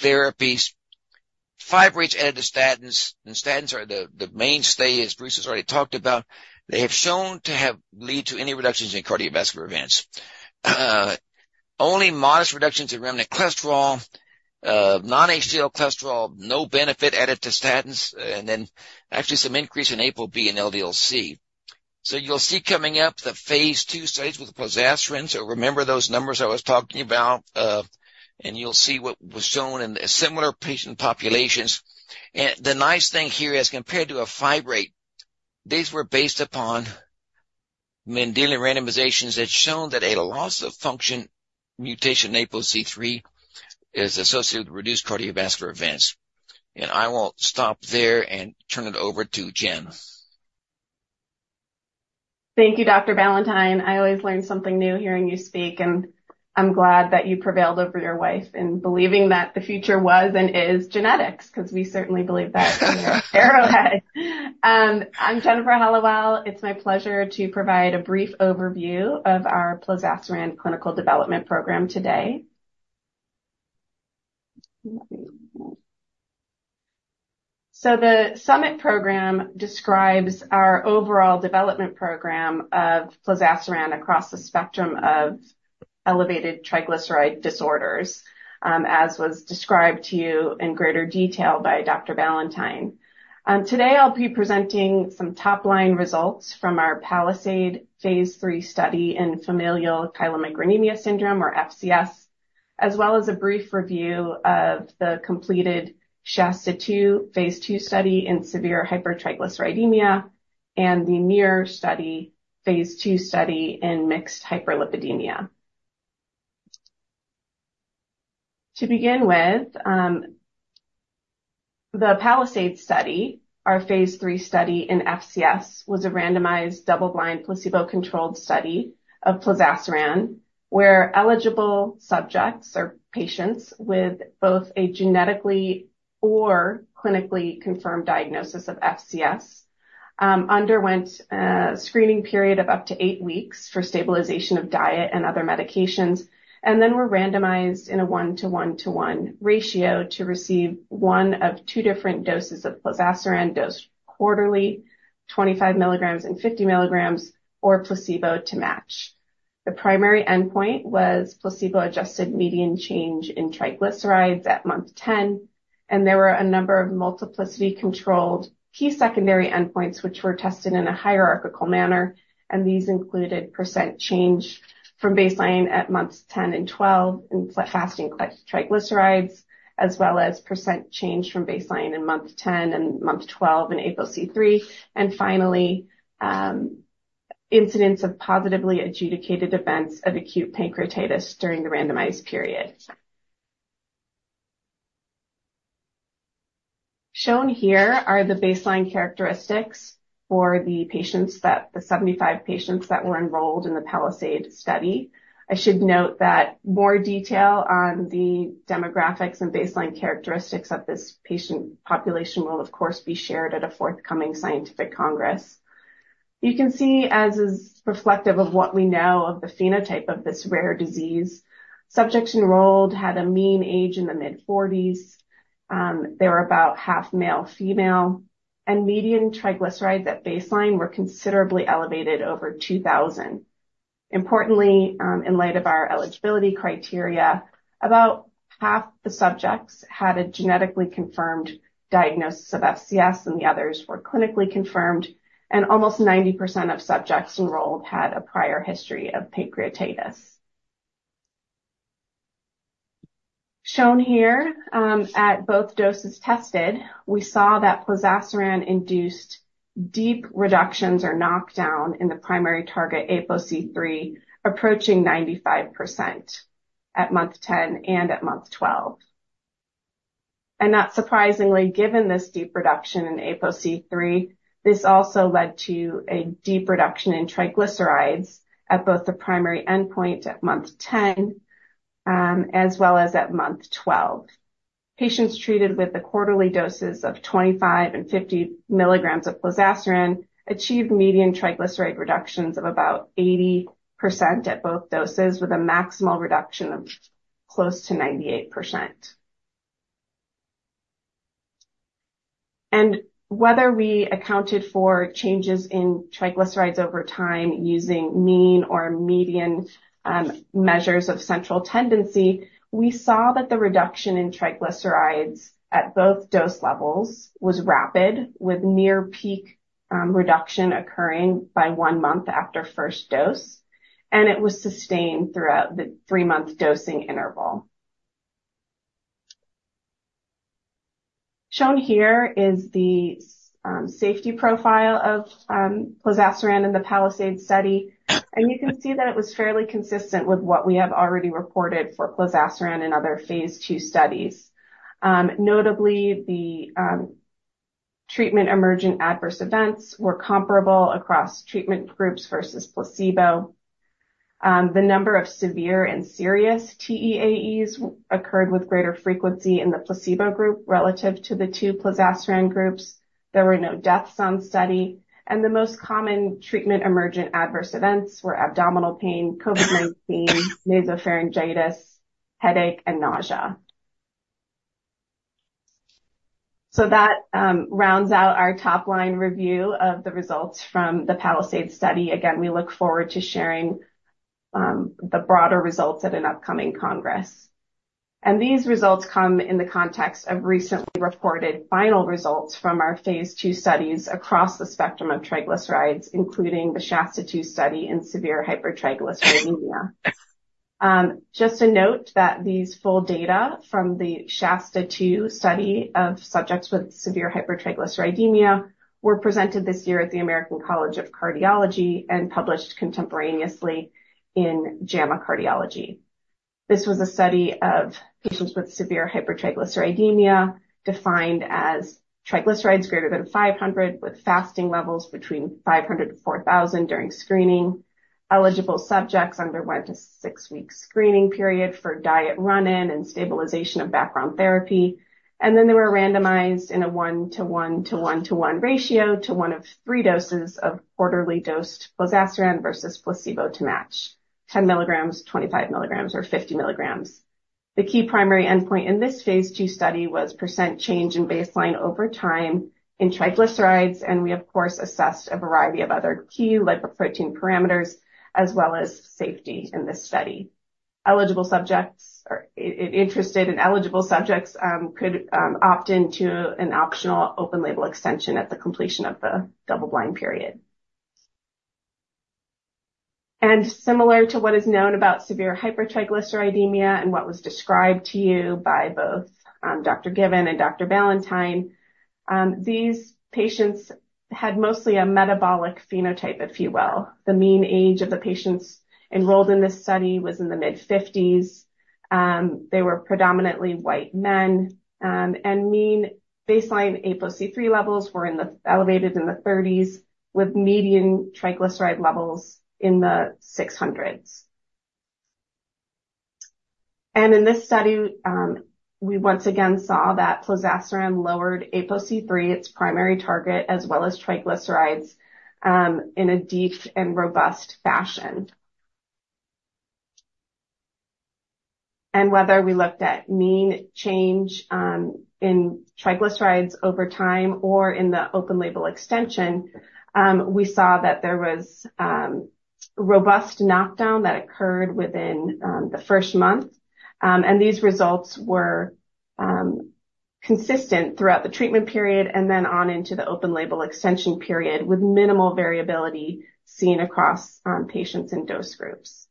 therapies. Fibrates added to statins, and statins are the mainstay, as Bruce has already talked about. They have shown to have lead to any reductions in cardiovascular events. Only modest reductions in remnant cholesterol, non-HDL cholesterol, no benefit added to statins, and then actually some increase in ApoB and LDL-C. So you'll see coming up, the phase II studies with plozasiran. So remember those numbers I was talking about, and you'll see what was shown in the similar patient populations. And the nice thing here, as compared to a fibrate, these were based upon Mendelian randomizations that shown that a loss-of-function mutation in APOC3 is associated with reduced cardiovascular events. I will stop there and turn it over to Jen. Thank you, Dr. Ballantyne. I always learn something new hearing you speak, and I'm glad that you prevailed over your wife in believing that the future was and is genetics, 'cause we certainly believe that here at Arrowhead. I'm Jennifer Hellawell. It's my pleasure to provide a brief overview of our plozasiran clinical development program today. So the SUMMIT program describes our overall development program of plozasiran across the spectrum of elevated triglyceride disorders, as was described to you in greater detail by Dr. Ballantyne. Today, I'll be presenting some top-line results from our PALISADE phase III study in familial chylomicronemia syndrome or FCS, as well as a brief review of the completed SHASTA-2, phase II study in severe hypertriglyceridemia and the MUIR study, phase II study in mixed hyperlipidemia. To begin with, the PALISADE study, our phase III study in FCS, was a randomized, double-blind, placebo-controlled study of plozasiran, where eligible subjects or patients with both a genetically or clinically confirmed diagnosis of FCS, underwent a screening period of up to eight weeks for stabilization of diet and other medications, and then were randomized in a 1-to-1-to-1 ratio to receive one of two different doses of plozasiran, dosed quarterly, 25 mg and 50 mg, or placebo to match. The primary endpoint was placebo-adjusted median change in triglycerides at month 10, and there were a number of multiplicity-controlled key secondary endpoints, which were tested in a hierarchical manner, and these included % change from baseline at months 10 and 12 in fasting triglycerides, as well as % change from baseline in month 10 and month 12 in ApoC-III, and finally, incidence of positively adjudicated events of acute pancreatitis during the randomized period. Shown here are the baseline characteristics for the patients, the 75 patients that were enrolled in the PALISADE study. I should note that more detail on the demographics and baseline characteristics of this patient population will, of course, be shared at a forthcoming scientific congress. You can see, as is reflective of what we know of the phenotype of this rare disease, subjects enrolled had a mean age in the mid-40s. They were about half male, female, and median triglycerides at baseline were considerably elevated over 2,000. Importantly, in light of our eligibility criteria, about half the subjects had a genetically confirmed diagnosis of FCS, and the others were clinically confirmed, and almost 90% of subjects enrolled had a prior history of pancreatitis. Shown here, at both doses tested, we saw that plozasiran induced deep reductions or knockdown in the primary target, ApoC-III, approaching 95% at month 10 and at month 12. And not surprisingly, given this deep reduction in ApoC-III, this also led to a deep reduction in triglycerides at both the primary endpoint at month 10, as well as at month 12. Patients treated with the quarterly doses of 25 and 50 mg of plozasiran achieved median triglyceride reductions of about 80% at both doses, with a maximal reduction of close to 98%. Whether we accounted for changes in triglycerides over time using mean or median measures of central tendency, we saw that the reduction in triglycerides at both dose levels was rapid, with near peak reduction occurring by one month after first dose, and it was sustained throughout the three-month dosing interval. Shown here is the safety profile of plozasiran in the PALISADE study, and you can see that it was fairly consistent with what we have already reported for plozasiran in other phase II studies. Notably, the treatment-emergent adverse events were comparable across treatment groups versus placebo. The number of severe and serious TEAEs occurred with greater frequency in the placebo group relative to the two plozasiran groups. There were no deaths on study, and the most common treatment-emergent adverse events were abdominal pain, COVID-19, nasopharyngitis, headache, and nausea. So that rounds out our top-line review of the results from the PALISADE study. Again, we look forward to sharing the broader results at an upcoming congress. These results come in the context of recently reported final results from our phase II studies across the spectrum of triglycerides, including the SHASTA-2 study in severe hypertriglyceridemia. Just to note that these full data from the SHASTA-2 study of subjects with severe hypertriglyceridemia were presented this year at the American College of Cardiology and published contemporaneously in JAMA Cardiology. This was a study of patients with severe hypertriglyceridemia, defined as triglycerides greater than 500, with fasting levels between 500-4,000 during screening. Eligible subjects underwent a six-week screening period for diet run-in and stabilization of background therapy, and then they were randomized in a 1-to-1 to 1-to-1 ratio to one of three doses of quarterly-dosed plozasiran versus placebo to match 10 mg, 25 mg, or 50 mg. The key primary endpoint in this phase II study was % change from baseline over time in triglycerides, and we, of course, assessed a variety of other key lipoprotein parameters, as well as safety in this study. Eligible subjects or interested and eligible subjects could opt into an optional open-label extension at the completion of the double-blind period. Similar to what is known about severe hypertriglyceridemia and what was described to you by both, Dr. Given and Dr. Ballantyne, these patients had mostly a metabolic phenotype, if you will. The mean age of the patients enrolled in this study was in the mid-50s. They were predominantly white men, and mean baseline ApoC-III levels were elevated in the 30s, with median triglyceride levels in the 600s. In this study, we once again saw that plozasiran lowered ApoC-III, its primary target, as well as triglycerides, in a deep and robust fashion. Whether we looked at mean change in triglycerides over time or in the open-label extension, we saw that there was robust knockdown that occurred within the first month. These results were consistent throughout the treatment period and then on into the open-label extension period, with minimal variability seen across patients in dose groups.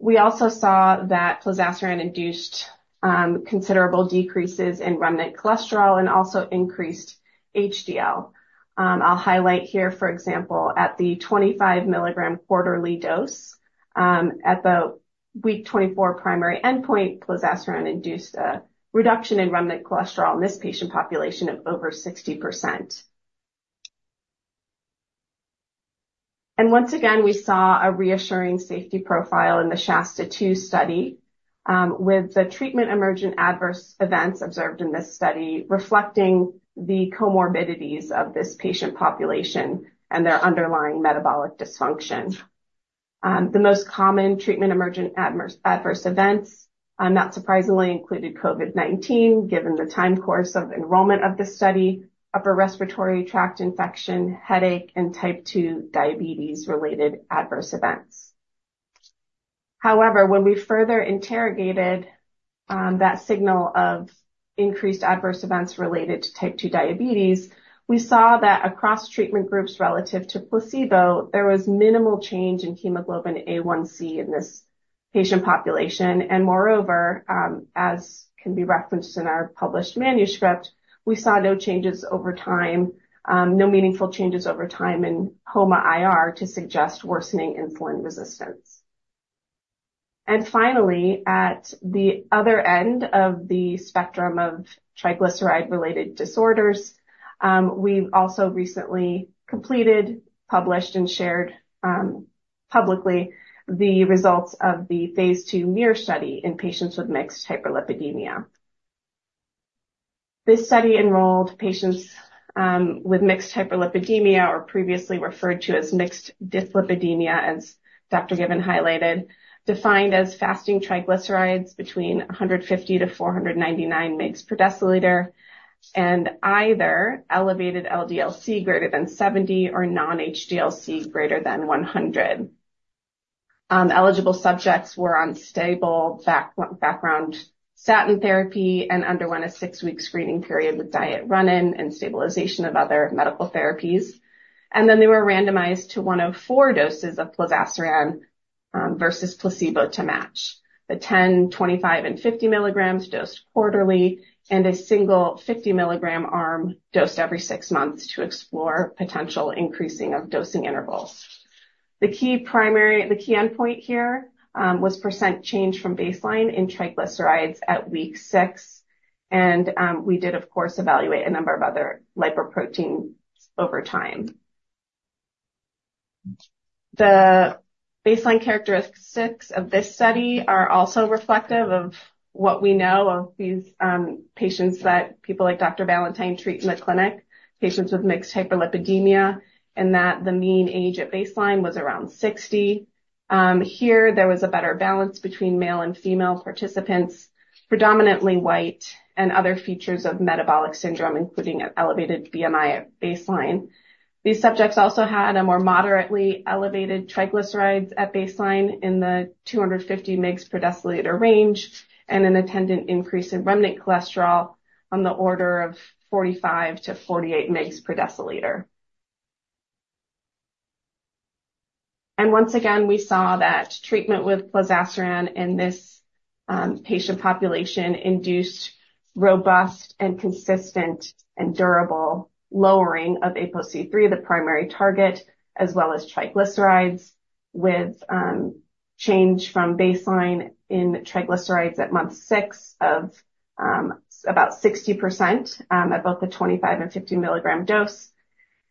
We also saw that plozasiran induced considerable decreases in remnant cholesterol and also increased HDL. I'll highlight here, for example, at the 25 mg quarterly dose, at the week 24 primary endpoint, plozasiran induced a reduction in remnant cholesterol in this patient population of over 60%. And once again, we saw a reassuring safety profile in the SHASTA-2 study, with the treatment-emergent adverse events observed in this study, reflecting the comorbidities of this patient population and their underlying metabolic dysfunction. The most common treatment-emergent adverse, adverse events, not surprisingly, included COVID-19, given the time course of enrollment of the study, upper respiratory tract infection, headache, and type 2 diabetes-related adverse events. However, when we further interrogated that signal of increased adverse events related to type 2 diabetes, we saw that across treatment groups relative to placebo, there was minimal change in hemoglobin A1c in this patient population. Moreover, as can be referenced in our published manuscript, we saw no changes over time, no meaningful changes over time in HOMA-IR to suggest worsening insulin resistance. Finally, at the other end of the spectrum of triglyceride-related disorders, we've also recently completed, published, and shared publicly the results of the phase II MUIR study in patients with mixed hyperlipidemia. This study enrolled patients with mixed hyperlipidemia or previously referred to as mixed dyslipidemia, as Dr. Given highlighted, defined as fasting triglycerides between 150 and 499 mg per deciliter, and either elevated LDL-C greater than 70 or non-HDL-C greater than 100. Eligible subjects were on stable background statin therapy and underwent a six-week screening period with diet run-in and stabilization of other medical therapies. Then, they were randomized to one of four doses of plozasiran versus placebo to match. The 10, 25, and 50 mg dosed quarterly, and a single 50-mg arm dosed every 6 months to explore potential increasing of dosing intervals. The key endpoint here was % change from baseline in triglycerides at week 6, and we did, of course, evaluate a number of other lipoproteins over time. The baseline characteristics of this study are also reflective of what we know of these, patients that people like Dr. Ballantyne treat in the clinic, patients with mixed hyperlipidemia, and that the mean age at baseline was around 60. Here, there was a better balance between male and female participants, predominantly white and other features of metabolic syndrome, including an elevated BMI at baseline. These subjects also had a more moderately elevated triglycerides at baseline in the 250 mg per deciliter range, and an attendant increase in remnant cholesterol on the order of 45-48 mg per deciliter. And once again, we saw that treatment with plozasiran in this patient population induced robust and consistent and durable lowering of ApoC-III, the primary target, as well as triglycerides, with change from baseline in triglycerides at month 6 of about 60% at both the 25- and 50 mg dose.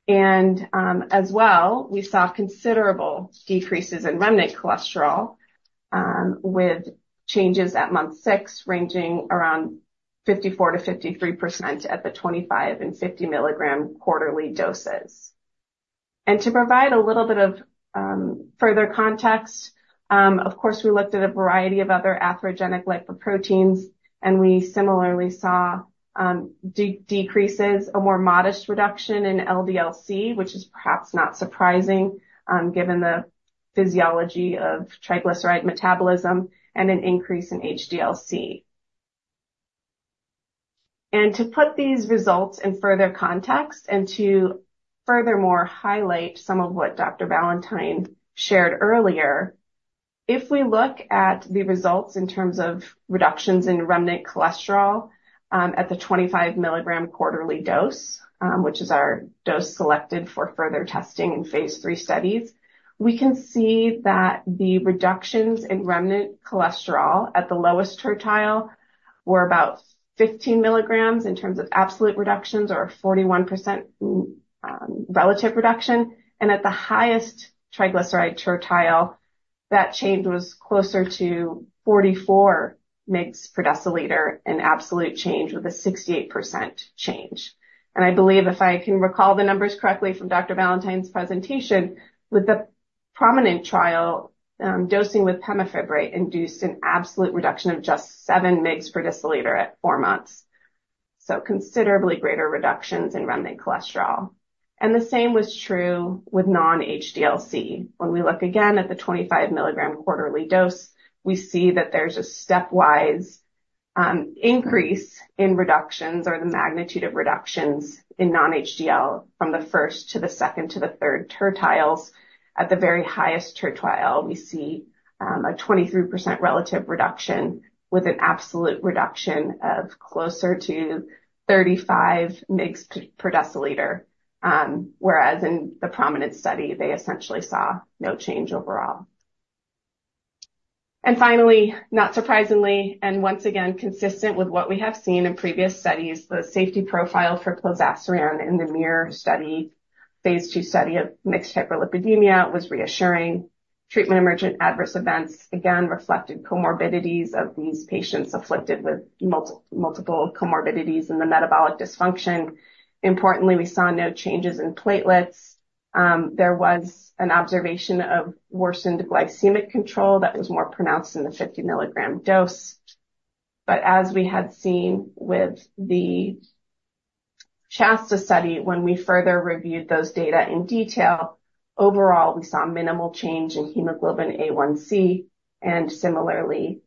And as well, we saw considerable decreases in remnant cholesterol, with changes at month 6, ranging around 54%-53% at the 25- and 50 mg quarterly doses. And to provide a little bit of further context, of course, we looked at a variety of other atherogenic lipoproteins, and we similarly saw decreases, a more modest reduction in LDL-C, which is perhaps not surprising, given the physiology of triglyceride metabolism and an increase in HDL-C. To put these results in further context, and to furthermore highlight some of what Dr. Ballantyne shared earlier, if we look at the results in terms of reductions in remnant cholesterol, at the 25 mg quarterly dose, which is our dose selected for further testing in phase three studies, we can see that the reductions in remnant cholesterol at the lowest tertile were about 15 mg in terms of absolute reductions or 41% relative reduction, and at the highest triglyceride tertile, that change was closer to 44 mg/dL, an absolute change with a 68% change. I believe, if I can recall the numbers correctly from Dr. Ballantyne's presentation, with the PROMINENT trial, dosing with pemafibrate induced an absolute reduction of just 7 mg/dL at 4 months, so considerably greater reductions in remnant cholesterol. The same was true with non-HDL-C. When we look again at the 25 mg quarterly dose, we see that there's a stepwise increase in reductions or the magnitude of reductions in non-HDL from the first to the second to the third tertiles. At the very highest tertile, we see a 23% relative reduction with an absolute reduction of closer to 35 mg/dL, whereas in the PROMINENT study, they essentially saw no change overall. Finally, not surprisingly, and once again, consistent with what we have seen in previous studies, the safety profile for plozasiran in the MUIR study, phase II study of mixed hyperlipidemia, was reassuring. Treatment-emergent adverse events again reflected comorbidities of these patients afflicted with multiple comorbidities and the metabolic dysfunction. Importantly, we saw no changes in platelets. There was an observation of worsened glycemic control that was more pronounced in the 50 mg dose. But as we had seen with the SHASTA study, when we further reviewed those data in detail, overall, we saw minimal change in hemoglobin A1c and similarly,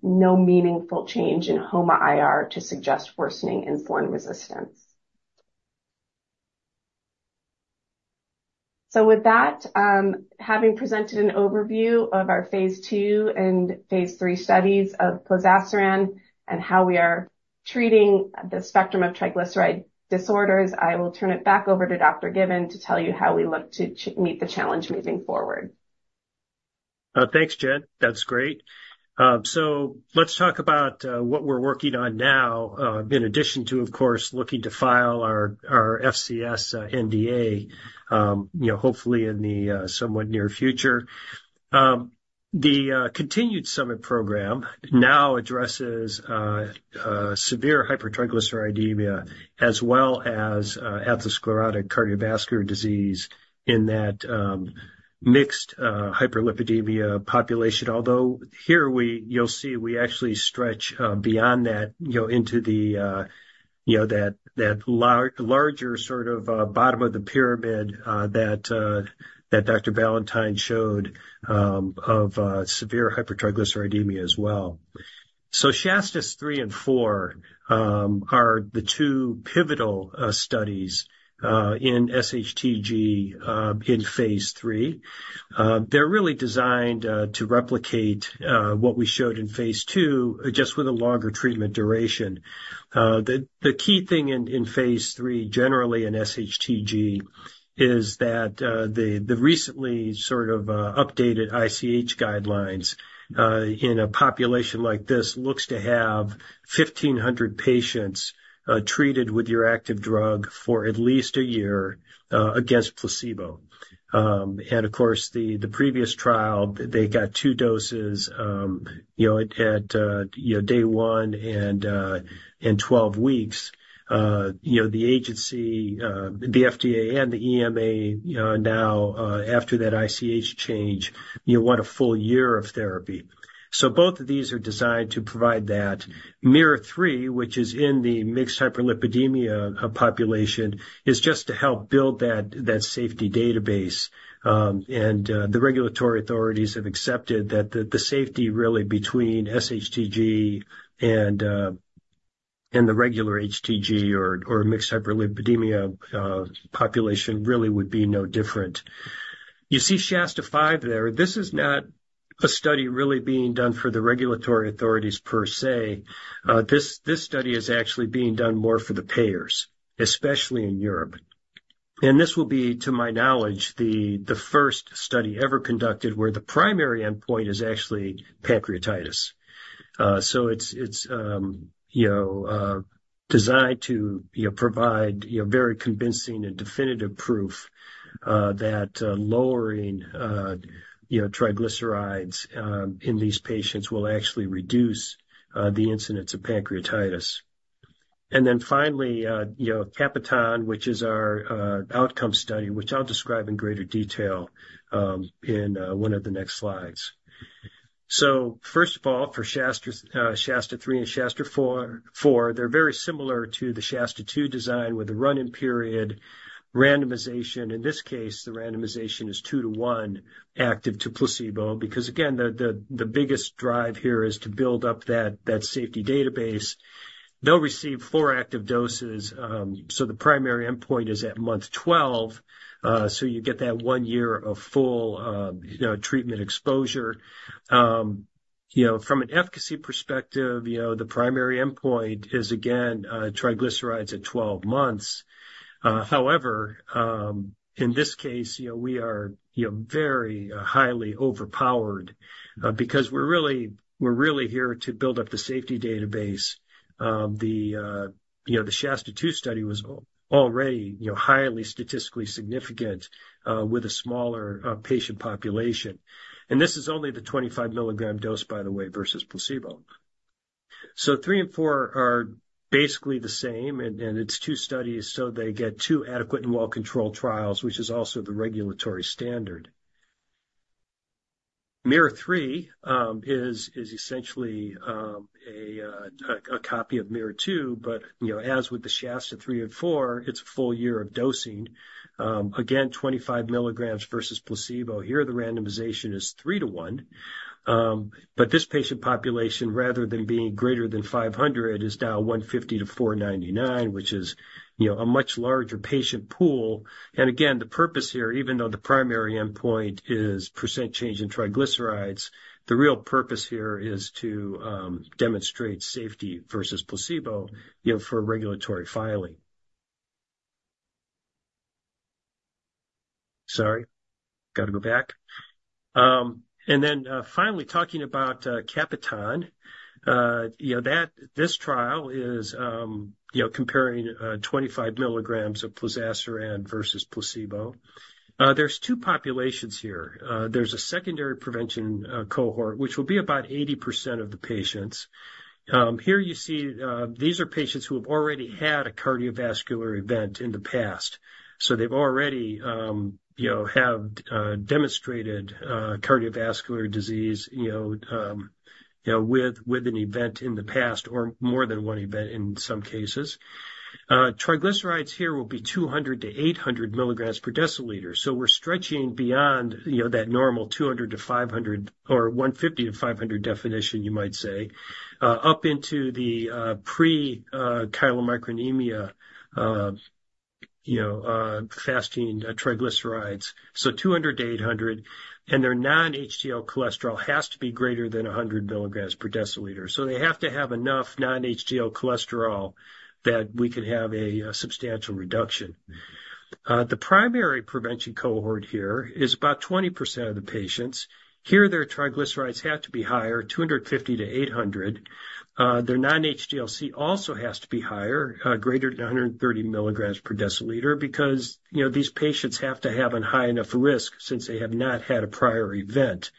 no meaningful change in HOMA-IR to suggest worsening insulin resistance. So with that, having presented an overview of our phase II and phase three studies of plozasiran and how we are treating the spectrum of triglyceride disorders, I will turn it back over to Dr. Given to tell you how we look to meet the challenge moving forward. Thanks, Jen. That's great. So let's talk about what we're working on now, in addition to, of course, looking to file our FCS NDA, you know, hopefully in the somewhat near future. The continued SUMMIT program now addresses severe hypertriglyceridemia as well as atherosclerotic cardiovascular disease in that mixed hyperlipidemia population. Although here you'll see, we actually stretch beyond that, you know, into that larger sort of bottom of the pyramid that Dr. Ballantyne showed of severe hypertriglyceridemia as well. So SHASTA-3 and 4 are the two pivotal studies in SHTG in phase III. They're really designed to replicate what we showed in phase II, just with a longer treatment duration. The key thing in phase III, generally in SHTG, is that the recently sort of updated ICH guidelines in a population like this looks to have 1,500 patients treated with your active drug for at least a year against placebo. And of course, the previous trial, they got two doses, you know, at day one and 12 weeks. You know, the agency, the FDA and the EMA, you know, now, after that ICH change, you want a full year of therapy. So both of these are designed to provide that. MUIR-3, which is in the mixed hyperlipidemia population, is just to help build that safety database. The regulatory authorities have accepted that the safety really between SHTG and the regular HTG or mixed hyperlipidemia population really would be no different. You see SHASTA-5 there. This is not a study really being done for the regulatory authorities per se. This study is actually being done more for the payers, especially in Europe. And this will be, to my knowledge, the first study ever conducted where the primary endpoint is actually pancreatitis. So it's designed to provide very convincing and definitive proof that lowering triglycerides in these patients will actually reduce the incidence of pancreatitis. And then finally, you know, CAPITAN, which is our outcome study, which I'll describe in greater detail in one of the next slides. So first of all, for SHASTA, SHASTA-3 and SHASTA-4, they're very similar to the SHASTA-2 design with a run-in period, randomization. In this case, the randomization is two to one, active to placebo, because again, the biggest drive here is to build up that safety database. They'll receive four active doses, so the primary endpoint is at month 12, so you get that one year of full, you know, treatment exposure. You know, from an efficacy perspective, you know, the primary endpoint is again triglycerides at 12 months. However, in this case, you know, we are, you know, very highly overpowered, because we're really, we're really here to build up the safety database. You know, the SHASTA-2 study was already, you know, highly statistically significant, with a smaller patient population. And this is only the 25 mg dose, by the way, versus placebo. So three and four are basically the same, and it's two studies, so they get 2 adequate and well-controlled trials, which is also the regulatory standard. MUIR-3 is essentially a copy of MUIR-2, but, you know, as with the SHASTA-3 and SHASTA-4, it's a full year of dosing. Again, 25 mg versus placebo. Here, the randomization is three to one. But this patient population, rather than being greater than 500, is now 150-499, which is, you know, a much larger patient pool. And again, the purpose here, even though the primary endpoint is % change in triglycerides, the real purpose here is to demonstrate safety versus placebo, you know, for regulatory filing. Sorry, got to go back. And then, finally, talking about CAPITAN. You know, that this trial is, you know, comparing 25 mg of plozasiran versus placebo. There's two populations here. There's a secondary prevention cohort, which will be about 80% of the patients. Here you see, these are patients who have already had a cardiovascular event in the past. So they've already, you know, have demonstrated cardiovascular disease, you know, with an event in the past or more than one event in some cases. Triglycerides here will be 200-800 mg per deciliter. So we're stretching beyond, you know, that normal 200-500 or 150-500 definition, you might say, up into the pre-chylomicronemia, you know, fasting triglycerides. So 200-800, and their non-HDL cholesterol has to be greater than 100 mg per deciliter. So they have to have enough non-HDL cholesterol that we could have a substantial reduction. The primary prevention cohort here is about 20% of the patients. Here, their triglycerides have to be higher, 250-800. Their non-HDL-C also has to be higher, greater than 130 mg per deciliter, because, you know, these patients have to have a high enough risk since they have not had a prior event.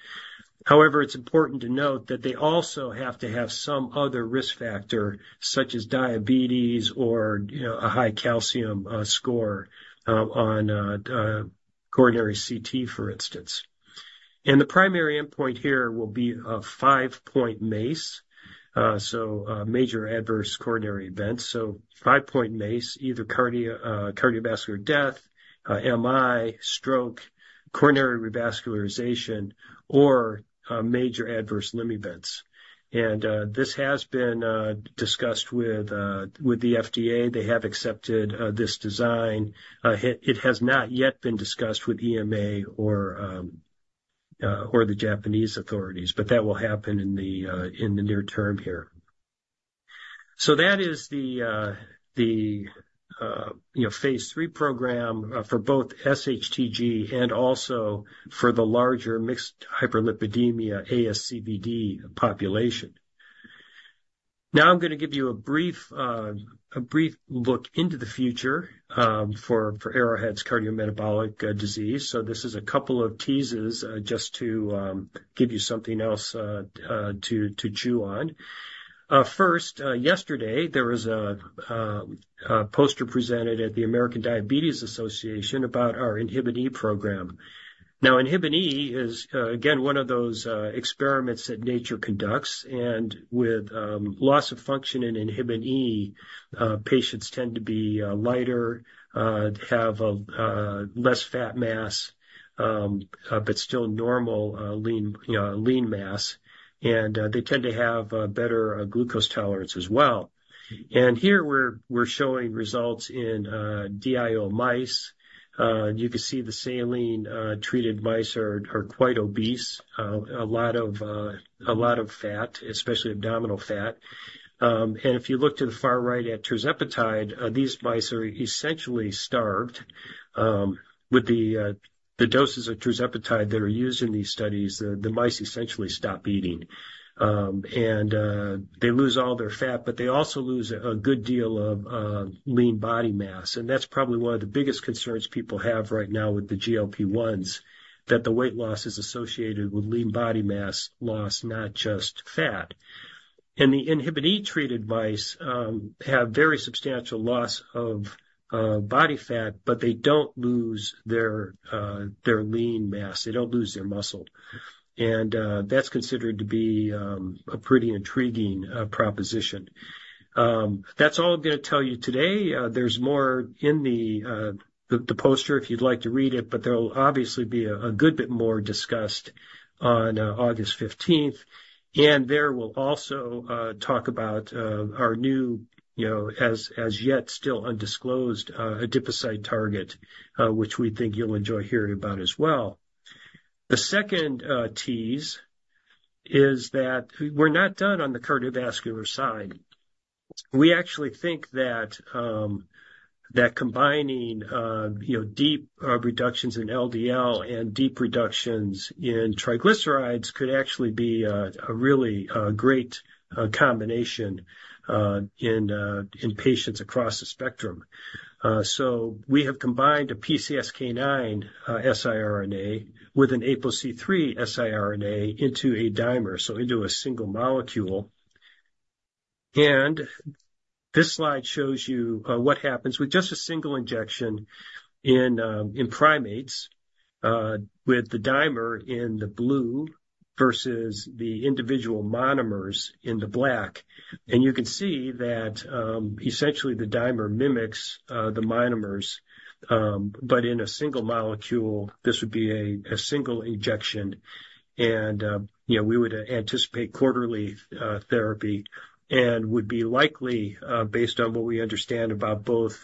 However, it's important to note that they also have to have some other risk factor, such as diabetes or, you know, a high calcium score on coronary CT, for instance. And the primary endpoint here will be a five-point MACE, so a major adverse coronary event. So five-point MACE, either cardio, cardiovascular death, MI, stroke, coronary revascularization, or, major adverse limb events. And, this has been discussed with, with the FDA. They have accepted, this design. It has not yet been discussed with EMA or the Japanese authorities, but that will happen in the near term here. So that is the, you know, phase III program for both SHTG and also for the larger mixed hyperlipidemia, ASCVD population. Now, I'm going to give you a brief look into the future for Arrowhead's cardiometabolic disease. So this is a couple of teases just to give you something else to chew on. First, yesterday, there was a poster presented at the American Diabetes Association about our Inhibin E program. Now, Inhibin E is again one of those experiments that nature conducts, and with loss of function in Inhibin E, patients tend to be lighter, have less fat mass, but still normal lean, you know, lean mass, and they tend to have better glucose tolerance as well. And here, we're showing results in DIO mice. You can see the saline treated mice are quite obese, a lot of fat, especially abdominal fat. And if you look to the far right at tirzepatide, these mice are essentially starved. With the doses of tirzepatide that are used in these studies, the mice essentially stop eating, and they lose all their fat, but they also lose a good deal of lean body mass. And that's probably one of the biggest concerns people have right now with the GLP-1s, that the weight loss is associated with lean body mass loss, not just fat. And the Inhibin E-treated mice have very substantial loss of body fat, but they don't lose their lean mass. They don't lose their muscle. And that's considered to be a pretty intriguing proposition. That's all I'm going to tell you today. There's more in the poster, if you'd like to read it, but there will obviously be a good bit more discussed on August fifteenth. And there, we'll also talk about our new, you know, as yet still undisclosed adipocyte target, which we think you'll enjoy hearing about as well. The second tease is that we're not done on the cardiovascular side. We actually think that combining, you know, deep reductions in LDL and deep reductions in triglycerides could actually be a really great combination in patients across the spectrum. So we have combined a PCSK9 siRNA with an APOC3 siRNA into a dimer, so into a single molecule. And this slide shows you what happens with just a single injection in primates with the dimer in the blue versus the individual monomers in the black. You can see that, essentially, the dimer mimics the monomers, but in a single molecule, this would be a single injection and, you know, we would anticipate quarterly therapy and would be likely, based on what we understand about both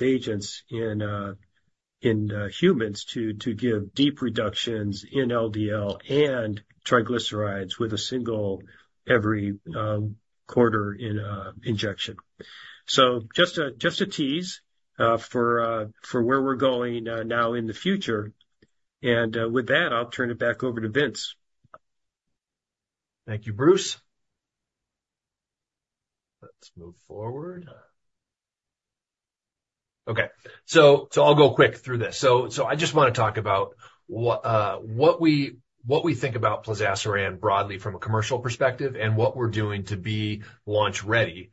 agents in humans, to give deep reductions in LDL and triglycerides with a single every quarter injection. So just a tease for where we're going now in the future. With that, I'll turn it back over to Vince. Thank you, Bruce. Let's move forward. Okay, I'll go quick through this. So I just wanna talk about what we think about plozasiran broadly from a commercial perspective and what we're doing to be launch-ready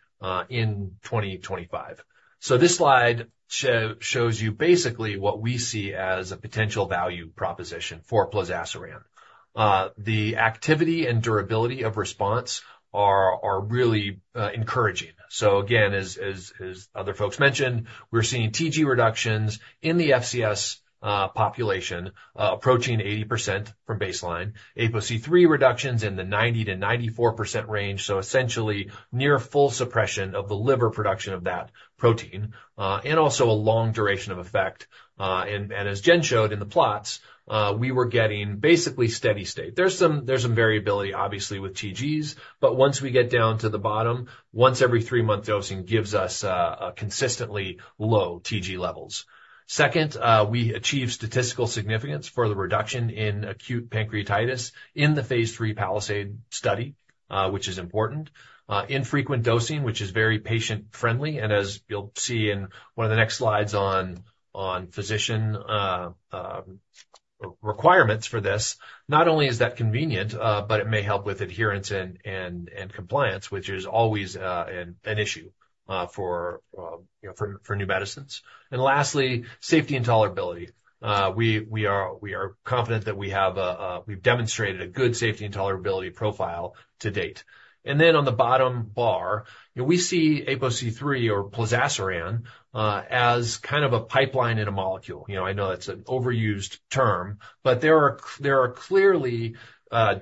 in 2025. So this slide shows you basically what we see as a potential value proposition for plozasiran. The activity and durability of response are really encouraging. So again, as other folks mentioned, we're seeing TG reductions in the FCS population approaching 80% from baseline, ApoC-III reductions in the 90%-94% range, so essentially near full suppression of the liver production of that protein and also a long duration of effect. As Jen showed in the plots, we were getting basically steady state. There's some variability, obviously, with TGs, but once we get down to the bottom, once every three-month dosing gives us consistently low TG levels. Second, we achieved statistical significance for the reduction in acute pancreatitis in the phase III PALISADE study, which is important. Infrequent dosing, which is very patient-friendly, and as you'll see in one of the next slides on physician requirements for this, not only is that convenient, but it may help with adherence and compliance, which is always an issue, you know, for new medicines. And lastly, safety and tolerability. We are confident that we have a, we've demonstrated a good safety and tolerability profile to date. And then on the bottom bar, we see APOC3 or plozasiran, as kind of a pipeline in a molecule. You know, I know that's an overused term, but there are clearly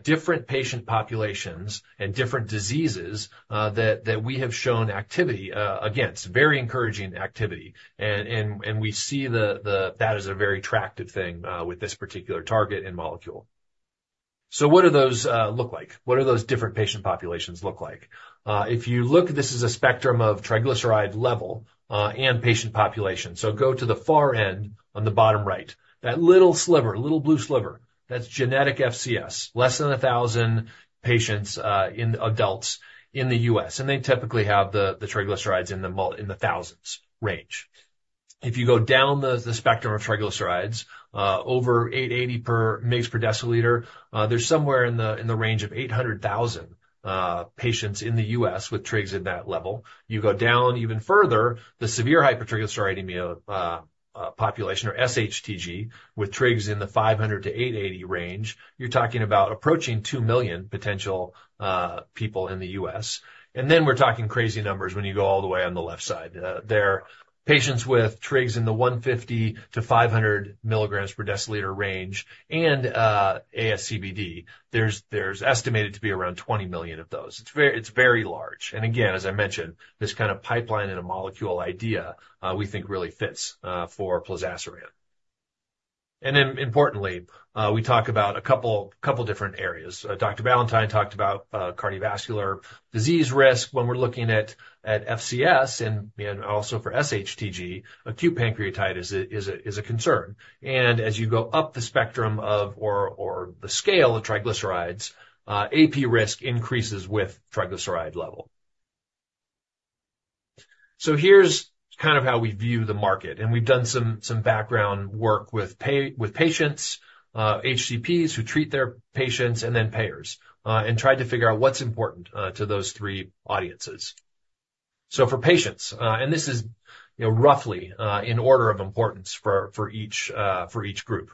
different patient populations and different diseases, that we have shown activity against, very encouraging activity. And, and, and we see the, that as a very attractive thing, with this particular target and molecule. So what do those look like? What do those different patient populations look like? If you look, this is a spectrum of triglyceride level, and patient population. So go to the far end on the bottom right. That little sliver, little blue sliver, that's genetic FCS. Less than 1,000 patients, in adults in the U.S., and they typically have the triglycerides in the thousands range. If you go down the spectrum of triglycerides over 880 mg per deciliter, there's somewhere in the range of 800,000 patients in the U.S. with trigs at that level. You go down even further, the severe hypertriglyceridemia population, or SHTG, with trigs in the 500-880 range, you're talking about approaching 2 million potential people in the U.S. And then we're talking crazy numbers when you go all the way on the left side. They're patients with trigs in the 150-500 mg per deciliter range and ASCVD. There's estimated to be around 20 million of those. It's very large. And again, as I mentioned, this kind of pipeline and a molecule idea, we think really fits for plozasiran. And then importantly, we talk about a couple different areas. Dr. Ballantyne talked about cardiovascular disease risk when we're looking at FCS and also for SHTG. Acute pancreatitis is a concern. And as you go up the spectrum or the scale of triglycerides, AP risk increases with triglyceride level. So here's kind of how we view the market, and we've done some background work with patients, HCPs who treat their patients, and then payers, and tried to figure out what's important to those three audiences. So for patients, and this is, you know, roughly, in order of importance for each group.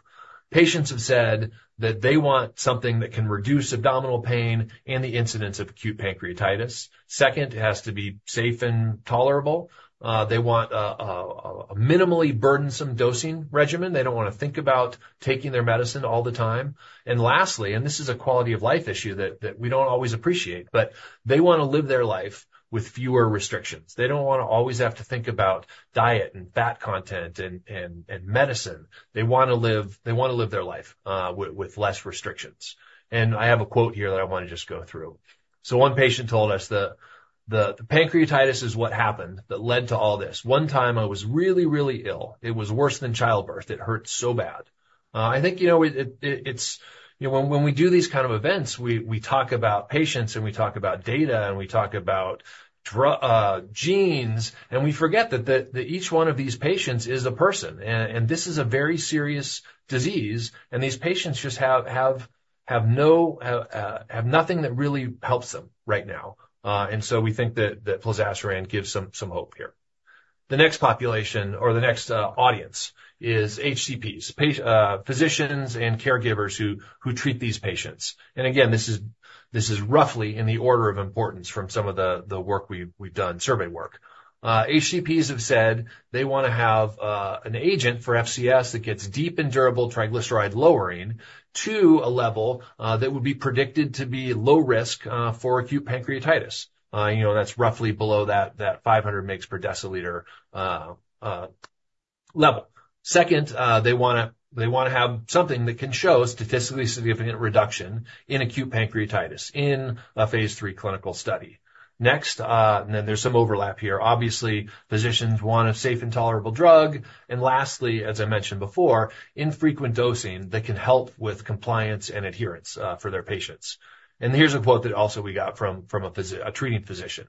Patients have said that they want something that can reduce abdominal pain and the incidence of acute pancreatitis. Second, it has to be safe and tolerable. They want a minimally burdensome dosing regimen. They don't wanna think about taking their medicine all the time. And lastly, and this is a quality-of-life issue that we don't always appreciate, but they wanna live their life with fewer restrictions. They don't wanna always have to think about diet and fat content and medicine. They wanna live, they wanna live their life with less restrictions. And I have a quote here that I wanna just go through. So one patient told us, "Pancreatitis is what happened that led to all this. One time I was really, really ill. It was worse than childbirth. It hurt so bad." I think, you know, it, it's... You know, when we do these kind of events, we talk about patients, and we talk about data, and we talk about drug genes, and we forget that each one of these patients is a person, and this is a very serious disease, and these patients just have nothing that really helps them right now. And so we think that plozasiran gives some hope here. The next population or the next audience is HCPs, physicians and caregivers who treat these patients. And again, this is roughly in the order of importance from some of the work we've done, survey work. HCPs have said they wanna have an agent for FCS that gets deep and durable triglyceride lowering to a level that would be predicted to be low risk for acute pancreatitis. You know, that's roughly below that 500 mg/dL level. Second, they wanna have something that can show statistically significant reduction in acute pancreatitis in a phase three clinical study. Next, and then there's some overlap here. Obviously, physicians want a safe and tolerable drug. And lastly, as I mentioned before, infrequent dosing that can help with compliance and adherence for their patients. And here's a quote that also we got from a treating physician: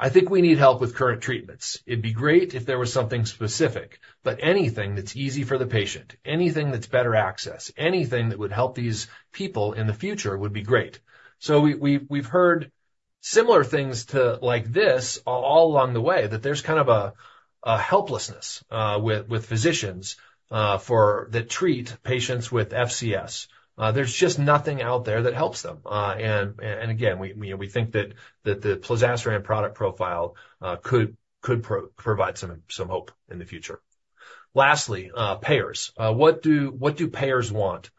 "I think we need help with current treatments. It'd be great if there was something specific, but anything that's easy for the patient, anything that's better access, anything that would help these people in the future would be great." So we've heard similar things like this all along the way, that there's kind of a helplessness with physicians that treat patients with FCS. There's just nothing out there that helps them. And again, we think that the plozasiran product profile could provide some hope in the future. Lastly, payers. What do payers want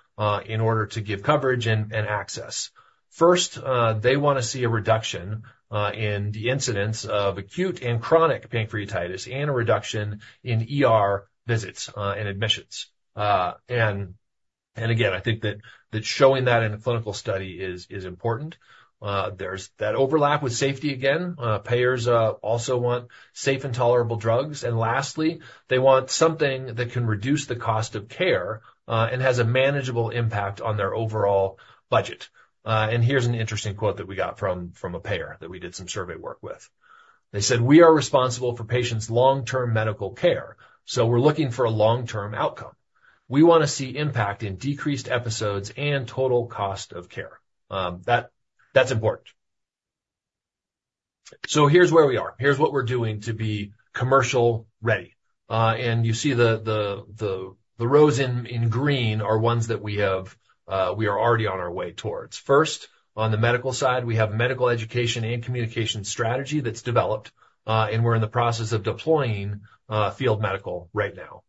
in order to give coverage and access? First, they wanna see a reduction in the incidence of acute and chronic pancreatitis, and a reduction in ER visits and admissions. And again, I think that showing that in a clinical study is important. There's that overlap with safety again. Payers also want safe and tolerable drugs. And lastly, they want something that can reduce the cost of care and has a manageable impact on their overall budget. Here's an interesting quote that we got from a payer that we did some survey work with. They said, "We are responsible for patients' long-term medical care, so we're looking for a long-term outcome. We want to see impact in decreased episodes and total cost of care." That's important. So here's where we are. Here's what we're doing to be commercial ready. You see the rows in green are ones that we have, we are already on our way towards. First, on the medical side, we have medical education and communication strategy that's developed, and we're in the process of deploying field medical right now.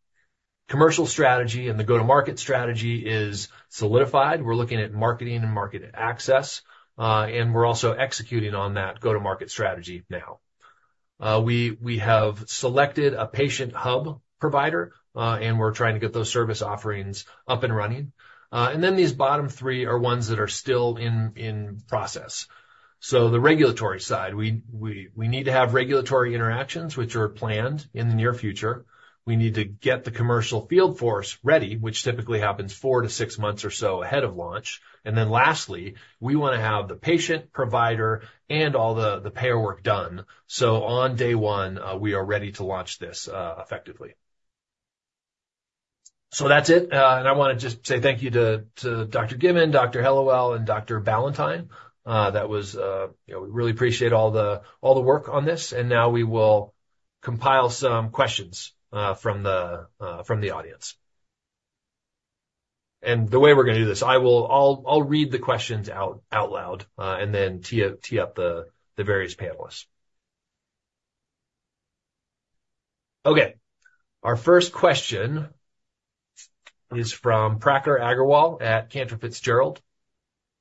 Commercial strategy and the go-to-market strategy is solidified. We're looking at marketing and market access, and we're also executing on that go-to-market strategy now. We have selected a patient hub provider, and we're trying to get those service offerings up and running. And then these bottom three are ones that are still in process. So the regulatory side, we need to have regulatory interactions, which are planned in the near future. We need to get the commercial field force ready, which typically happens four to six months or so ahead of launch. And then lastly, we wanna have the patient, provider, and all the payer work done. So on day one, we are ready to launch this, effectively. So that's it. And I wanna just say thank you to Dr. Given, Dr. Hellawell, and Dr. Ballantyne. That was, you know, we really appreciate all the work on this. And now we will compile some questions from the audience. And the way we're gonna do this, I will... I'll read the questions out loud, and then tee up the various panelists. Okay, our first question is from Prakhar Agrawal at Cantor Fitzgerald,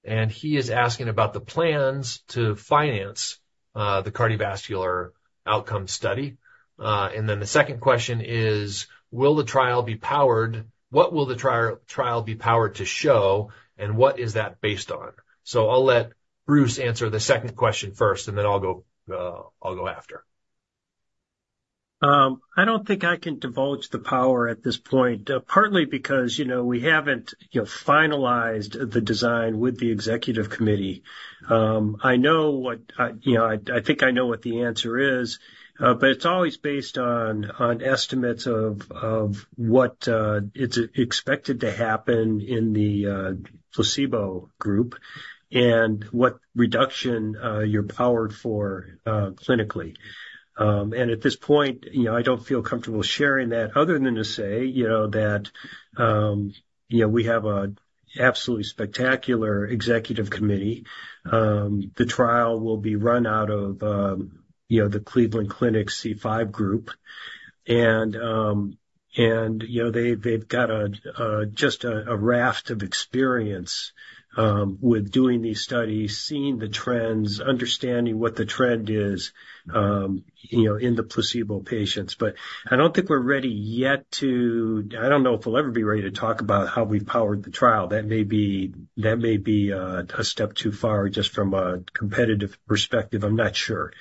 and he is asking about the plans to finance the cardiovascular outcome study. And then the second question is: will the trial be powered? What will the trial be powered to show, and what is that based on? So I'll let Bruce answer the second question first, and then I'll go, I'll go after. I don't think I can divulge the power at this point, partly because, you know, we haven't, you know, finalized the design with the executive committee. You know, I think I know what the answer is, but it's always based on estimates of what it's expected to happen in the placebo group and what reduction you're powered for, clinically. And at this point, you know, I don't feel comfortable sharing that, other than to say, you know, that, you know, we have a absolutely spectacular executive committee. The trial will be run out of, you know, the Cleveland Clinic C5 group, and, you know, they've got a just a raft of experience with doing these studies, seeing the trends, understanding what the trend is, you know, in the placebo patients. But I don't think we're ready yet to... I don't know if we'll ever be ready to talk about how we've powered the trial. That may be, that may be a step too far, just from a competitive perspective, I'm not sure.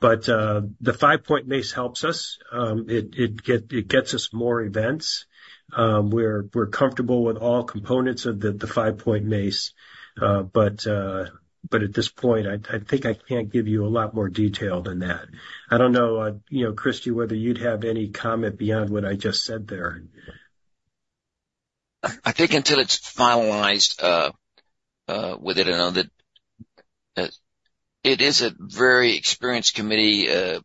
But the five-point MACE helps us. It gets us more events. We're comfortable with all components of the five-point MACE, but at this point, I think I can't give you a lot more detail than that. I don't know, you know, Christie, whether you'd have any comment beyond what I just said there? I think until it's finalized with it and all that, it is a very experienced committee.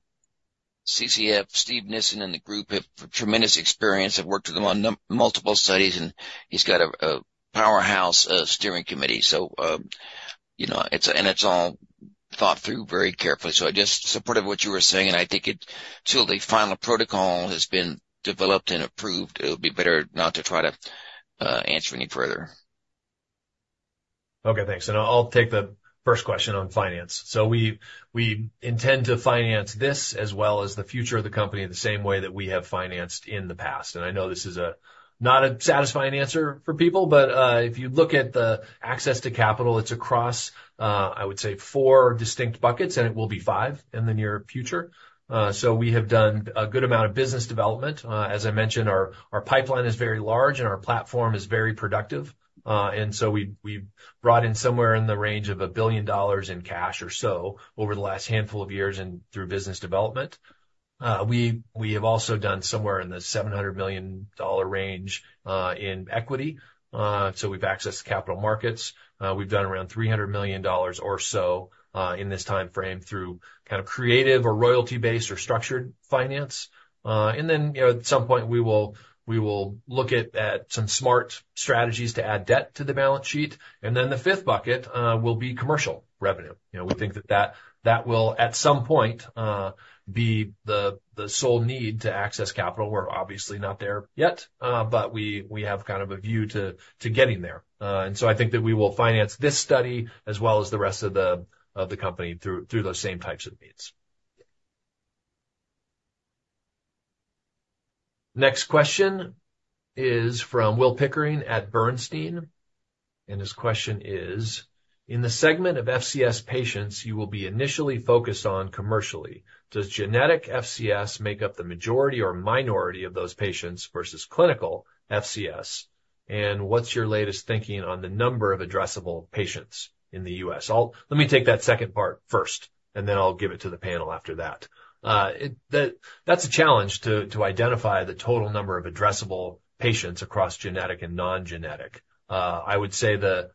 CCF, Steve Nissen and the group have tremendous experience, have worked with him on multiple studies, and he's got a powerhouse steering committee. So, you know, it's and it's all thought through very carefully. So I just supportive what you were saying, and I think till the final protocol has been developed and approved, it would be better not to try to answer any further. Okay, thanks. I'll take the first question on finance. So we intend to finance this as well as the future of the company in the same way that we have financed in the past. And I know this is a not a satisfying answer for people, but if you look at the access to capital, it's across I would say four distinct buckets, and it will be five in the near future. So we have done a good amount of business development. As I mentioned, our pipeline is very large, and our platform is very productive. And so we brought in somewhere in the range of $1 billion in cash or so over the last handful of years and through business development. We have also done somewhere in the $700 million range in equity. So we've accessed the capital markets. We've done around $300 million or so in this time frame through kind of creative or royalty-based or structured finance. And then, you know, at some point, we will look at some smart strategies to add debt to the balance sheet. And then the fifth bucket will be commercial revenue. You know, we think that will, at some point, be the sole need to access capital. We're obviously not there yet, but we have kind of a view to getting there. And so I think that we will finance this study as well as the rest of the company through those same types of means. Next question is from Will Pickering at Bernstein, and his question is: In the segment of FCS patients you will be initially focused on commercially, does genetic FCS make up the majority or minority of those patients versus clinical FCS? What's your latest thinking on the number of addressable patients in the U.S.? Let me take that second part first, and then I'll give it to the panel after that. That's a challenge to identify the total number of addressable patients across genetic and non-genetic. I would say the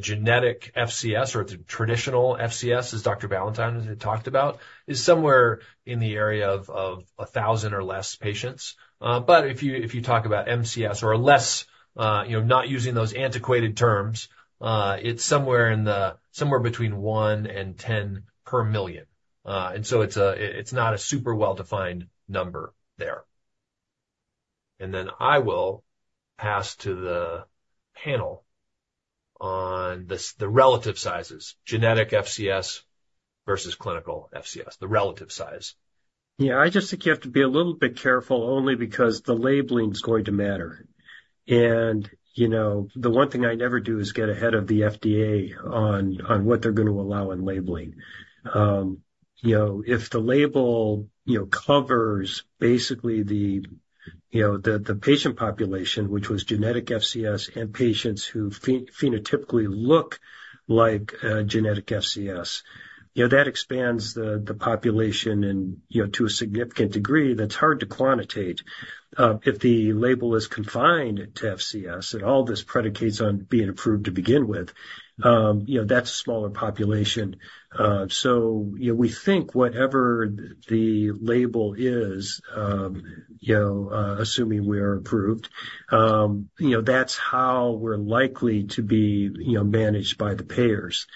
genetic FCS or the traditional FCS, as Dr. Ballantyne has talked about, is somewhere in the area of 1,000 or less patients. But if you talk about MCS or less, you know, not using those antiquated terms, it's somewhere between 1 and 10 per million. And so it's not a super well-defined number there. Then I will pass to the panel on the relative sizes, genetic FCS versus clinical FCS, the relative size. Yeah, I just think you have to be a little bit careful only because the labeling is going to matter. And, you know, the one thing I never do is get ahead of the FDA on what they're going to allow in labeling. You know, if the label, you know, covers basically the patient population, which was genetic FCS and patients who phenotypically look like genetic FCS, you know, that expands the population and, you know, to a significant degree, that's hard to quantitate. If the label is confined to FCS, and all this predicates on being approved to begin with, you know, that's a smaller population. So, you know, we think whatever the label is, you know, assuming we are approved, you know, that's how we're likely to be, you know, managed by the payers.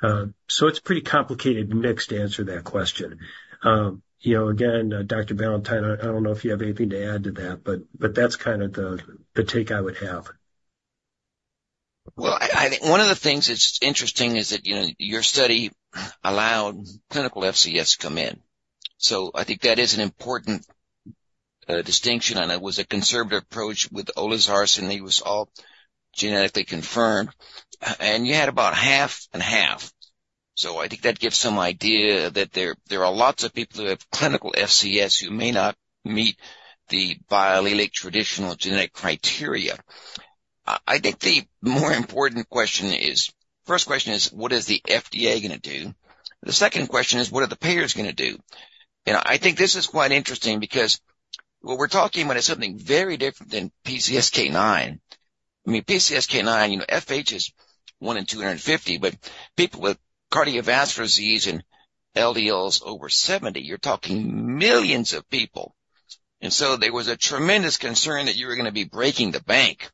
So it's pretty complicated mix to answer that question. You know, again, Dr. Ballantyne, I, I don't know if you have anything to add to that, but, but that's kind of the, the take I would have. Well, I think one of the things that's interesting is that, you know, your study allowed clinical FCS to come in. So I think that is an important distinction, and it was a conservative approach with plozasiran, and he was all genetically confirmed, and you had about half and half. So I think that gives some idea that there are lots of people who have clinical FCS who may not meet the biallelic traditional genetic criteria. I think the more important question is, first question is: What is the FDA gonna do? The second question is: What are the payers gonna do? You know, I think this is quite interesting because what we're talking about is something very different than PCSK9. I mean, PCSK9, you know, FH is one in 250, but people with cardiovascular disease and LDLs over 70, you're talking millions of people. And so there was a tremendous concern that you were gonna be breaking the bank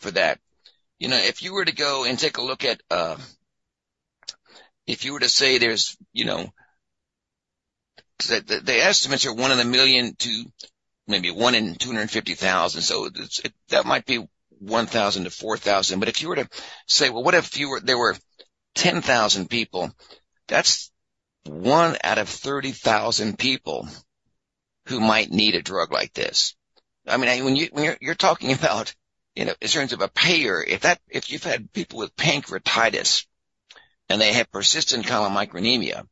for that. You know, if you were to go and take a look at. If you were to say there's, you know, the estimates are one in a million to maybe 1 in 250,000, so it's, that might be 1,000 to 4,000. But if you were to say, well, what if you were-- there were 10,000 people, that's one out of 30,000 people who might need a drug like this. I mean, when you're talking about, you know, in terms of a payer, if you've had people with pancreatitis and they have persistent chylomicronemia,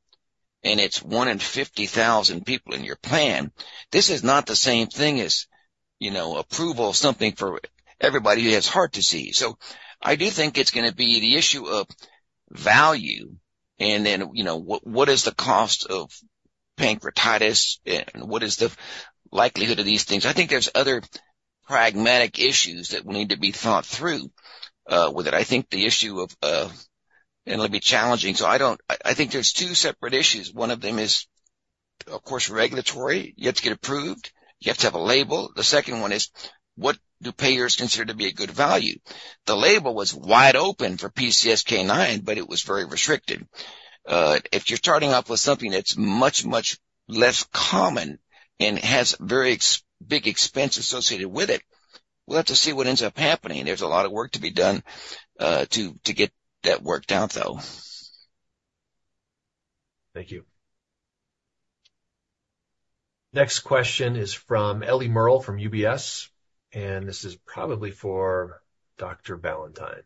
and it's one in 50,000 people in your plan, this is not the same thing as, you know, approval of something for everybody who has heart disease. So I do think it's gonna be the issue of value, and then, you know, what is the cost of pancreatitis, and what is the likelihood of these things? I think there's other pragmatic issues that need to be thought through with it. I think the issue of—and it'll be challenging, so I—I think there's two separate issues. One of them is, of course, regulatory. You have to get approved. You have to have a label. The second one is, what do payers consider to be a good value? The label was wide open for PCSK9, but it was very restricted. If you're starting off with something that's much, much less common and has very big expense associated with it, we'll have to see what ends up happening. There's a lot of work to be done to get that worked out, though. Thank you. Next question is from Ellie Merle, from UBS, and this is probably for Dr. Ballantyne.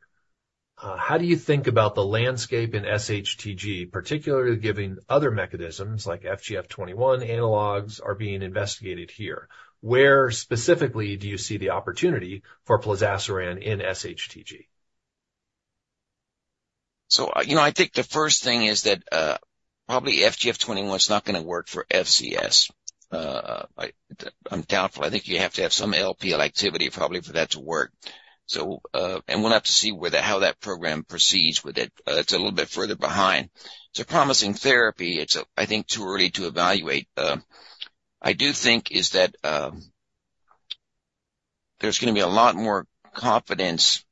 How do you think about the landscape in SHTG, particularly given other mechanisms like FGF21 analogs are being investigated here? Where specifically do you see the opportunity for plozasiran in SHTG? So, I, you know, I think the first thing is that, probably FGF21 is not gonna work for FCS. I, I'm doubtful. I think you have to have some LPL activity probably for that to work. So, and we'll have to see how that program proceeds with it. It's a little bit further behind. It's a promising therapy. It's, I think, too early to evaluate. I do think is that, there's gonna be a lot more confidence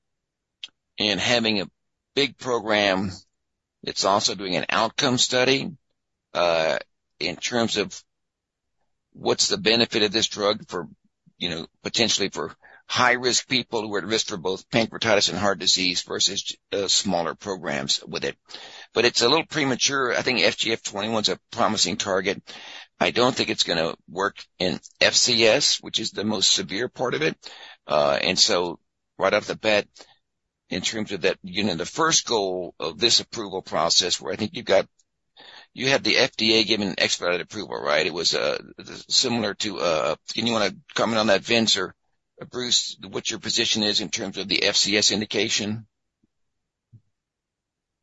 in having a big program that's also doing an outcome study, in terms of what's the benefit of this drug for, you know, potentially for high-risk people who are at risk for both pancreatitis and heart disease versus, smaller programs with it. But it's a little premature. I think FGF21 is a promising target. I don't think it's gonna work in FCS, which is the most severe part of it. And so right off the bat, in terms of that, you know, the first goal of this approval process, where I think you've got - you have the FDA giving an expedited approval, right? It was similar to... Do you wanna comment on that, Vince or Bruce, what your position is in terms of the FCS indication?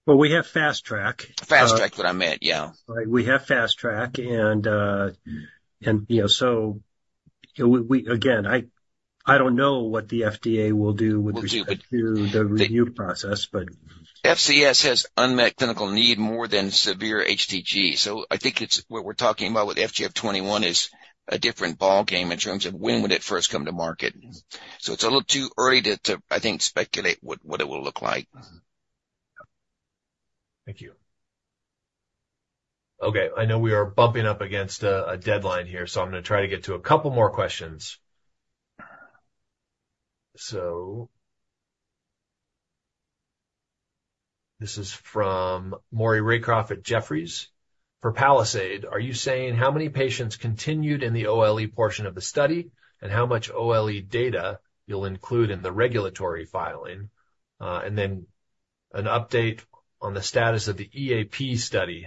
Well, we have fast track. Fast track is what I meant, yeah. We have fast track, and you know, so we, again, I don't know what the FDA will do with respect to the review process, but- FCS has unmet clinical need more than severe HTG. So I think it's what we're talking about with FGF21 is a different ballgame in terms of when would it first come to market. So it's a little too early to, I think, speculate what it will look like. Mm-hmm. Thank you. Okay, I know we are bumping up against a, a deadline here, so I'm gonna try to get to a couple more questions. So this is from Maury Raycroft at Jefferies. For Palisade, are you saying how many patients continued in the OLE portion of the study, and how much OLE data you'll include in the regulatory filing? And then an update on the status of the EAP study,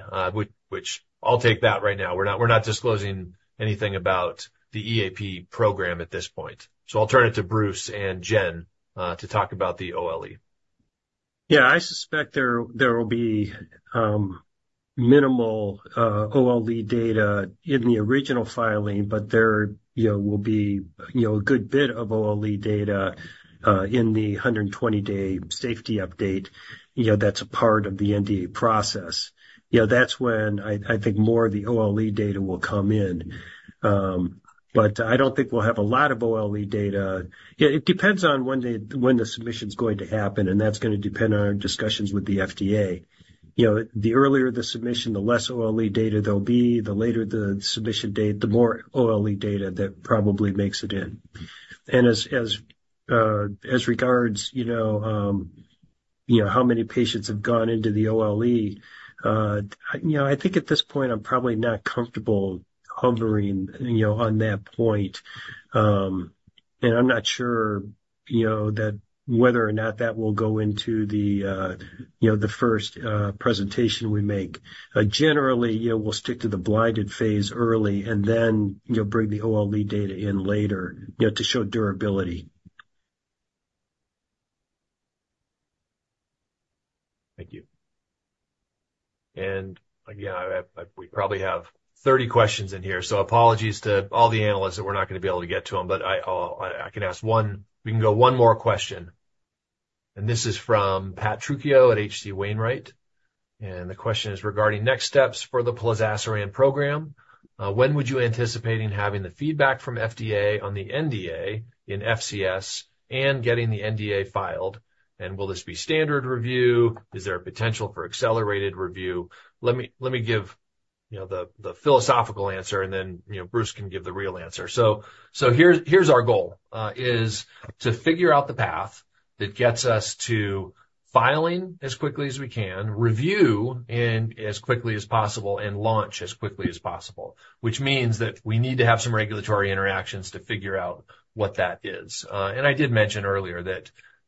which I'll take that right now. We're not, we're not disclosing anything about the EAP program at this point. So I'll turn it to Bruce and Jen, to talk about the OLE. Yeah, I suspect there will be minimal OLE data in the original filing, but there, you know, will be, you know, a good bit of OLE data in the 120-day safety update, you know, that's a part of the NDA process. You know, that's when I think more of the OLE data will come in. But I don't think we'll have a lot of OLE data. It depends on when the submission is going to happen, and that's gonna depend on our discussions with the FDA. You know, the earlier the submission, the less OLE data there'll be. The later the submission date, the more OLE data that probably makes it in. As regards, you know, you know, how many patients have gone into the OLE, you know, I think at this point, I'm probably not comfortable hovering, you know, on that point. And I'm not sure, you know, that whether or not that will go into the, you know, the first presentation we make. Generally, you know, we'll stick to the blinded phase early and then you'll bring the OLE data in later, you know, to show durability. Thank you. And again, we probably have 30 questions in here, so apologies to all the analysts that we're not gonna be able to get to them. But I can ask one. We can go one more question, and this is from Pat Trucchio at H.C. Wainwright, and the question is regarding next steps for the plozasiran program. When would you anticipate in having the feedback from FDA on the NDA in FCS and getting the NDA filed, and will this be standard review? Is there a potential for accelerated review? Let me give, you know, the philosophical answer, and then, you know, Bruce can give the real answer. So here's our goal is to figure out the path that gets us to filing as quickly as we can, review, and as quickly as possible, and launch as quickly as possible. Which means that we need to have some regulatory interactions to figure out what that is. And I did mention earlier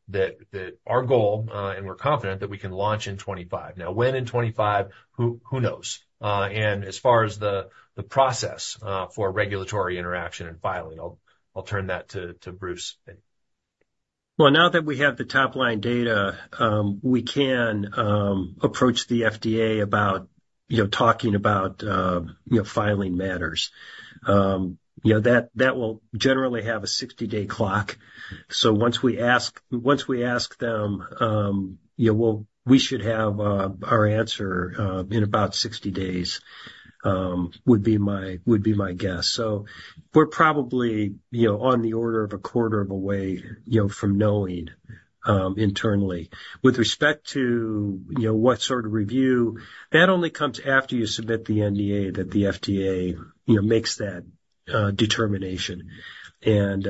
that our goal, and we're confident that we can launch in 2025. Now, when in 2025, who knows? And as far as the process for regulatory interaction and filing, I'll turn that to Bruce. Well, now that we have the top-line data, we can approach the FDA about, you know, talking about, you know, filing matters. You know, that will generally have a 60-day clock. So once we ask them, yeah, well, we should have our answer in about 60 days, would be my guess. So we're probably, you know, on the order of a quarter of a way, you know, from knowing internally. With respect to, you know, what sort of review, that only comes after you submit the NDA that the FDA, you know, makes that determination. And,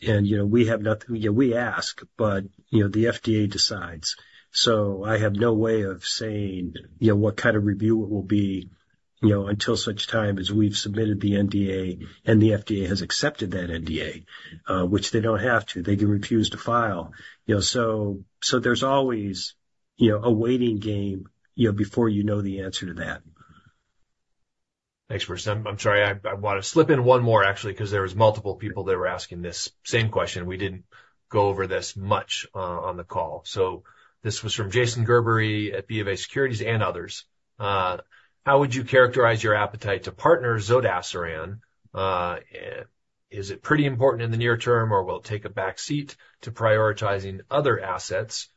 you know, we have nothing. Yeah, we ask, but, you know, the FDA decides. I have no way of saying, you know, what kind of review it will be, you know, until such time as we've submitted the NDA, and the FDA has accepted that NDA, which they don't have to. They can refuse to file, you know. So there's always, you know, a waiting game, you know, before you know the answer to that. Thanks for this. I'm sorry. I want to slip in one more, actually, 'cause there was multiple people that were asking this same question. We didn't go over this much on the call. So this was from Jason Gerberry at BofA Securities and others. "How would you characterize your appetite to partner zodasiran? Is it pretty important in the near term, or will it take a backseat to prioritizing other assets,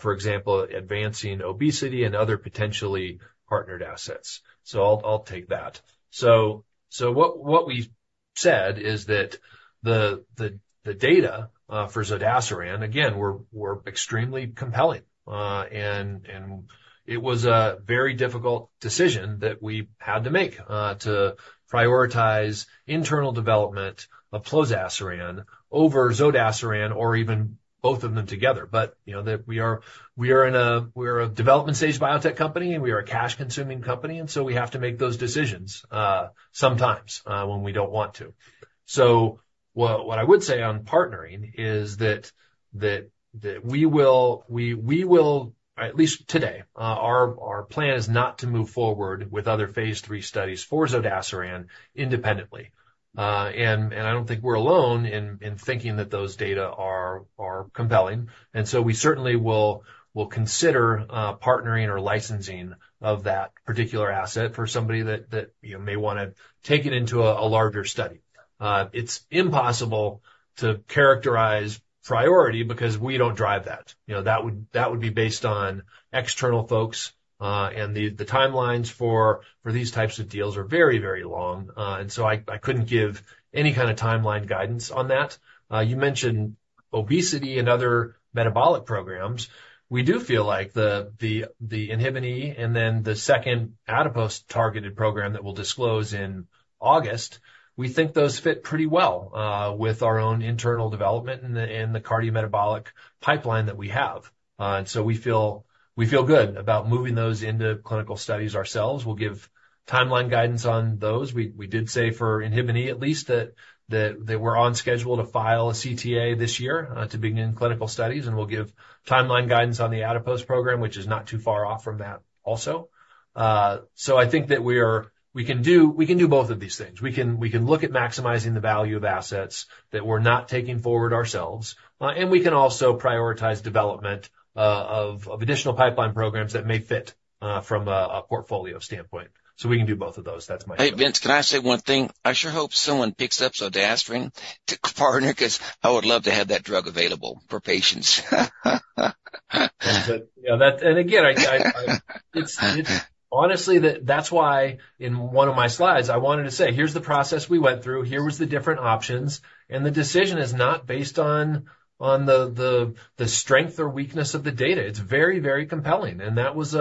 for example, advancing obesity and other potentially partnered assets?" So I'll take that. So what we've said is that the data for zodasiran, again, were extremely compelling. And it was a very difficult decision that we had to make to prioritize internal development of plozasiran over zodasiran or even both of them together. But, you know, that we are. We are a development stage biotech company, and we are a cash-consuming company, and so we have to make those decisions, sometimes, when we don't want to. So what I would say on partnering is that we will, at least today, our plan is not to move forward with other phase III studies for zodasiran independently. And I don't think we're alone in thinking that those data are compelling. And so we certainly will consider partnering or licensing of that particular asset for somebody that, you know, may wanna take it into a larger study. It's impossible to characterize priority because we don't drive that. You know, that would be based on external folks, and the timelines for these types of deals are very, very long. And so I couldn't give any kind of timeline guidance on that. You mentioned obesity and other metabolic programs. We do feel like the INHBE, and then the second adipose-targeted program that we'll disclose in August, we think those fit pretty well, with our own internal development in the cardiometabolic pipeline that we have. And so we feel good about moving those into clinical studies ourselves. We'll give timeline guidance on those. We did say for INHBE, at least, that we're on schedule to file a CTA this year to begin clinical studies, and we'll give timeline guidance on the adipose program, which is not too far off from that also. So I think that we are. We can do both of these things. We can look at maximizing the value of assets that we're not taking forward ourselves, and we can also prioritize development of additional pipeline programs that may fit from a portfolio standpoint. So we can do both of those. That's my- Hey, Vince, can I say one thing? I sure hope someone picks up zodasiran to partner, 'cause I would love to have that drug available for patients. Yeah, that. And again, I— It's honestly, that's why in one of my slides, I wanted to say, "Here's the process we went through. Here was the different options." And the decision is not based on the strength or weakness of the data. It's very, very compelling, and that was.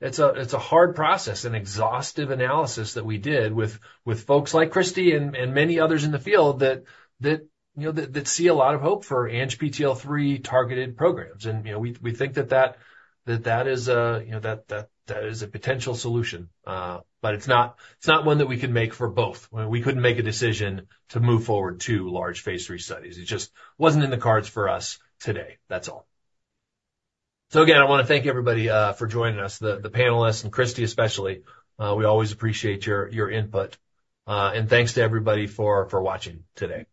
It's a hard process, an exhaustive analysis that we did with folks like Christie and many others in the field that, you know, see a lot of hope for ANGPTL3-targeted programs. And, you know, we think that that is a, you know, that is a potential solution. But it's not one that we can make for both. We couldn't make a decision to move forward to large phase III studies. It just wasn't in the cards for us today. That's all. So again, I wanna thank everybody for joining us, the panelists and Christie, especially. We always appreciate your input. And thanks to everybody for watching today.